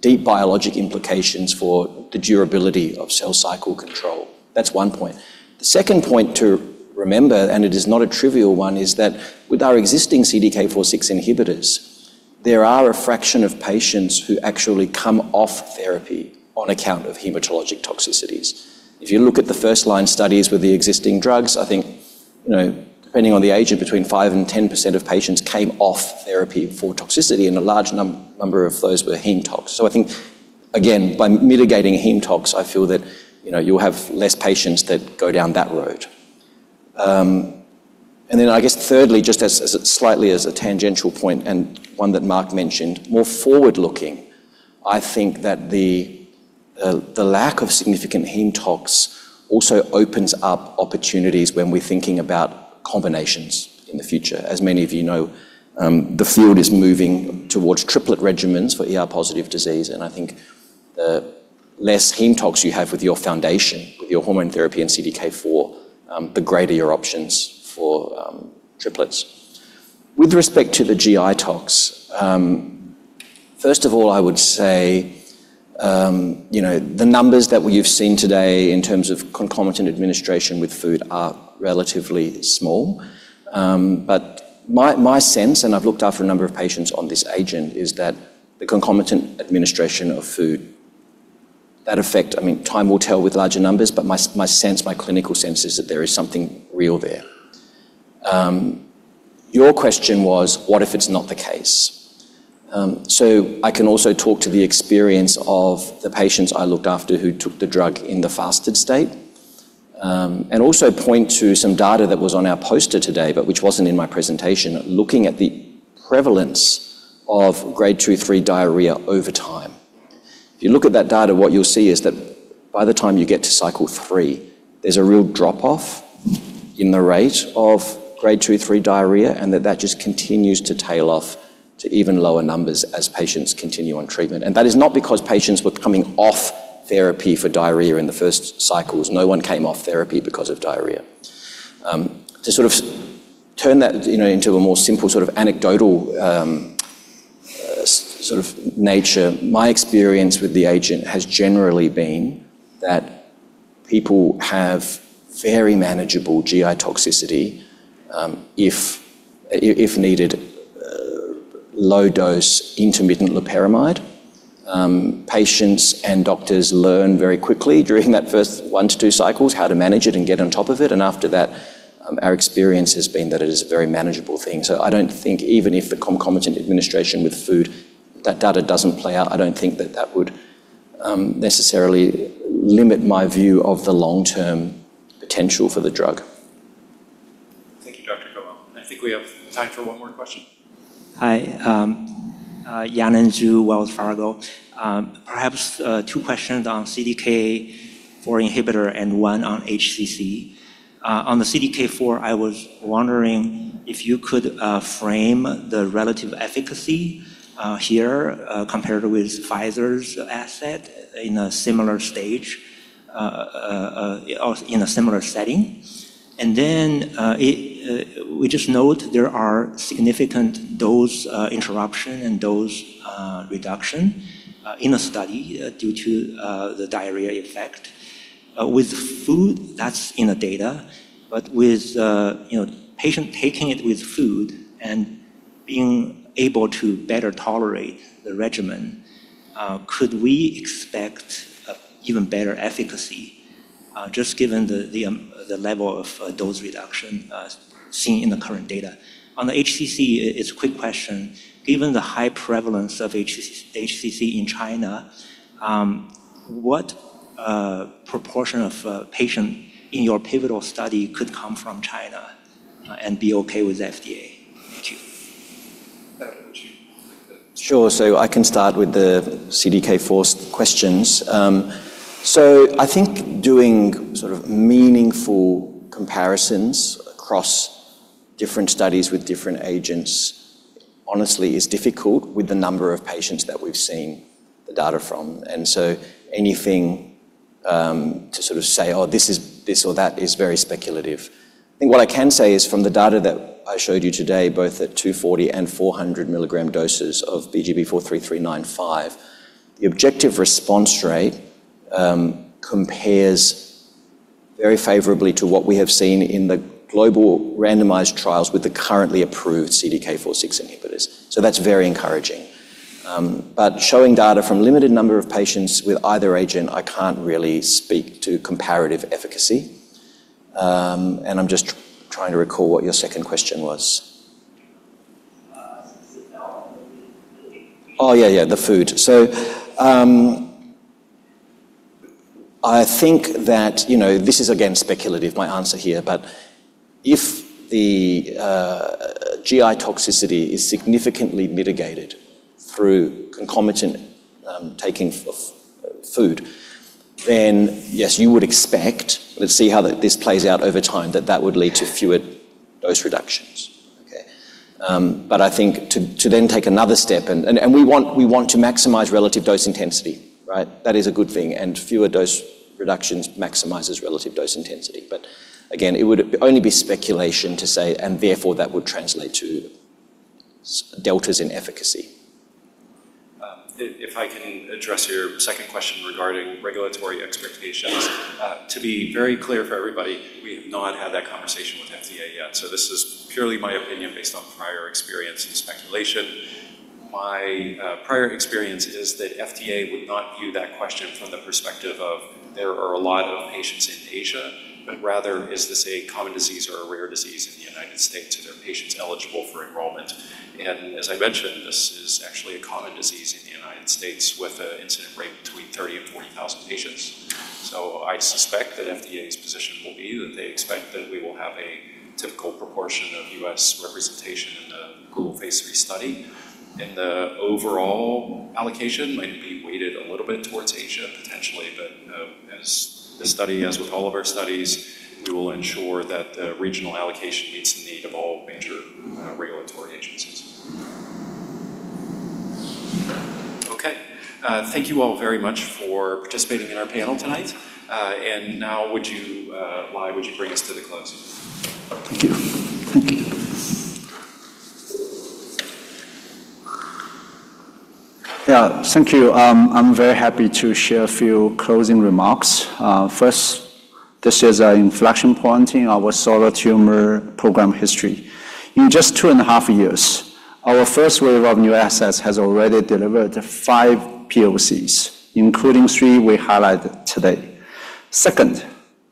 deep biologic implications for the durability of cell cycle control. That's one point. The second point to remember, it is not a trivial one, is that with our existing CDK4/6 inhibitors, there are a fraction of patients who actually come off therapy on account of hematologic toxicities. If you look at the first-line studies with the existing drugs, I think, depending on the agent, between 5% and 10% of patients came off therapy for toxicity, a large number of those were heme tox. I think, again, by mitigating heme tox, I feel that you'll have less patients that go down that road. I guess thirdly, just as slightly as a tangential point and one that Mark mentioned, more forward-looking, I think that the lack of significant heme tox also opens up opportunities when we're thinking about combinations in the future. As many of you know, the field is moving towards triplet regimens for HR-positive disease, and I think the less heme tox you have with your foundation, with your hormone therapy and CDK4, the greater your options for triplets. With respect to the GI tox, first of all, I would say the numbers that we've seen today in terms of concomitant administration with food are relatively small. My sense, and I've looked after a number of patients on this agent, is that the concomitant administration of food. Time will tell with larger numbers, but my sense, my clinical sense, is that there is something real there. Your question was, what if it's not the case? I can also talk to the experience of the patients I looked after who took the drug in the fasted state and also point to some data that was on our poster today but which wasn't in my presentation, looking at the prevalence of Grade 2, 3 diarrhea over time. You look at that data, what you'll see is that by the time you get to cycle three, there's a real drop-off in the rate of Grade 2, 3 diarrhea, and that just continues to tail off to even lower numbers as patients continue on treatment. That is not because patients were coming off therapy for diarrhea in the first cycles. No one came off therapy because of diarrhea. To sort of turn that into a more simple sort of anecdotal nature, my experience with the agent has generally been that people have very manageable GI toxicity if needed low dose intermittent loperamide. Patients and doctors learn very quickly during that first one to two cycles how to manage it and get on top of it. After that, our experience has been that it is a very manageable thing. I don't think even if the concomitant administration with food, that data doesn't play out, I don't think that that would necessarily limit my view of the long-term potential for the drug.
Thank you, Dr. Goel. I think we have time for one more question.
Hi. Yanan Zhu, Wells Fargo. Perhaps two questions on CDK4 inhibitor and one on HCC. On the CDK4, I was wondering if you could frame the relative efficacy here compared with Pfizer's asset in a similar stage or in a similar setting. Then we just note there are significant dose interruption and dose reduction in a study due to the diarrhea effect. With food, that's in the data. With patient taking it with food and being able to better tolerate the regimen, could we expect even better efficacy just given the level of dose reduction seen in the current data. On the HCC, it's a quick question. Given the high prevalence of HCC in China, what proportion of patients in your pivotal study could come from China and be okay with FDA? Thank you.
Sure. I can start with the CDK4 questions. I think doing meaningful comparisons across different studies with different agents, honestly, is difficult with the number of patients that we've seen the data from. Anything to say, "Oh, this is this or that" is very speculative. I think what I can say is from the data that I showed you today, both at 240 and 400 mg doses of BGB-43395, the objective response rate compares very favorably to what we have seen in the global randomized trials with the currently approved CDK4/6 inhibitors. That's very encouraging. Showing data from limited number of patients with either agent, I can't really speak to comparative efficacy. I'm just trying to recall what your second question was.
Specific development with the FDA.
Yeah. The food. I think that this is again speculative, my answer here, but if the GI toxicity is significantly mitigated through concomitant taking of food, then yes, you would expect, let's see how this plays out over time, that that would lead to fewer dose reductions. Okay. I think to then take another step. We want to maximize relative dose intensity, right? That is a good thing, and fewer dose reductions maximizes relative dose intensity. Again, it would only be speculation to say, and therefore, that would translate to deltas in efficacy.
If I can address your second question regarding regulatory expectations. To be very clear for everybody, we have not had that conversation with FDA yet. This is purely my opinion based on prior experience and speculation. My prior experience is that FDA would not view that question from the perspective of there are a lot of patients in Asia, but rather, is this a common disease or a rare disease in the United States? Are there patients eligible for enrollment? As I mentioned, this is actually a common disease in the United States with an incident rate between 30,000 and 40,000 patients. I suspect that FDA's position will be that they expect that we will have a typical proportion of U.S. representation in the global phase III study, and the overall allocation might be weighted a little bit towards Asia, potentially. As this study, as with all of our studies, we will ensure that the regional allocation meets the need of all major regulatory agencies. Okay. Thank you all very much for participating in our panel tonight. Now, would you, Lai, would you bring us to the close?
Thank you. Yeah, thank you. I'm very happy to share a few closing remarks. First, this is an inflection point in our solid tumor program history. In just 2.5 years, our first wave of new assets has already delivered five POCs, including three we highlighted today. Second,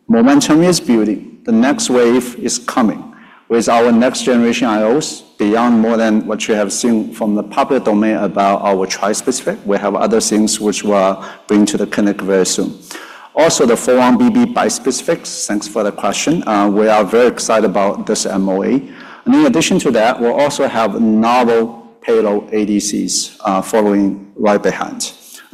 momentum is building. The next wave is coming with our next generation IOs beyond more than what you have seen from the public domain about our trispecific. We have other things which we are bringing to the clinic very soon. The 4-1BB bispecifics, thanks for the question. We are very excited about this MOA. In addition to that, we'll also have novel payload ADCs following right behind.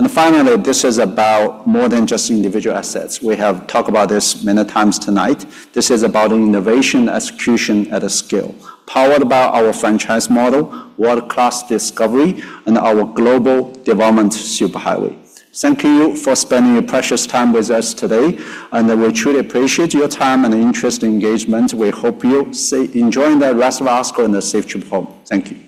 Finally, this is about more than just individual assets. We have talked about this many times tonight. This is about innovation execution at a scale powered by our franchise model, world-class discovery, and our global development superhighway. Thank you for spending your precious time with us today, and we truly appreciate your time and interest and engagement. We hope you stay enjoying the rest of ASCO and a safe trip home. Thank you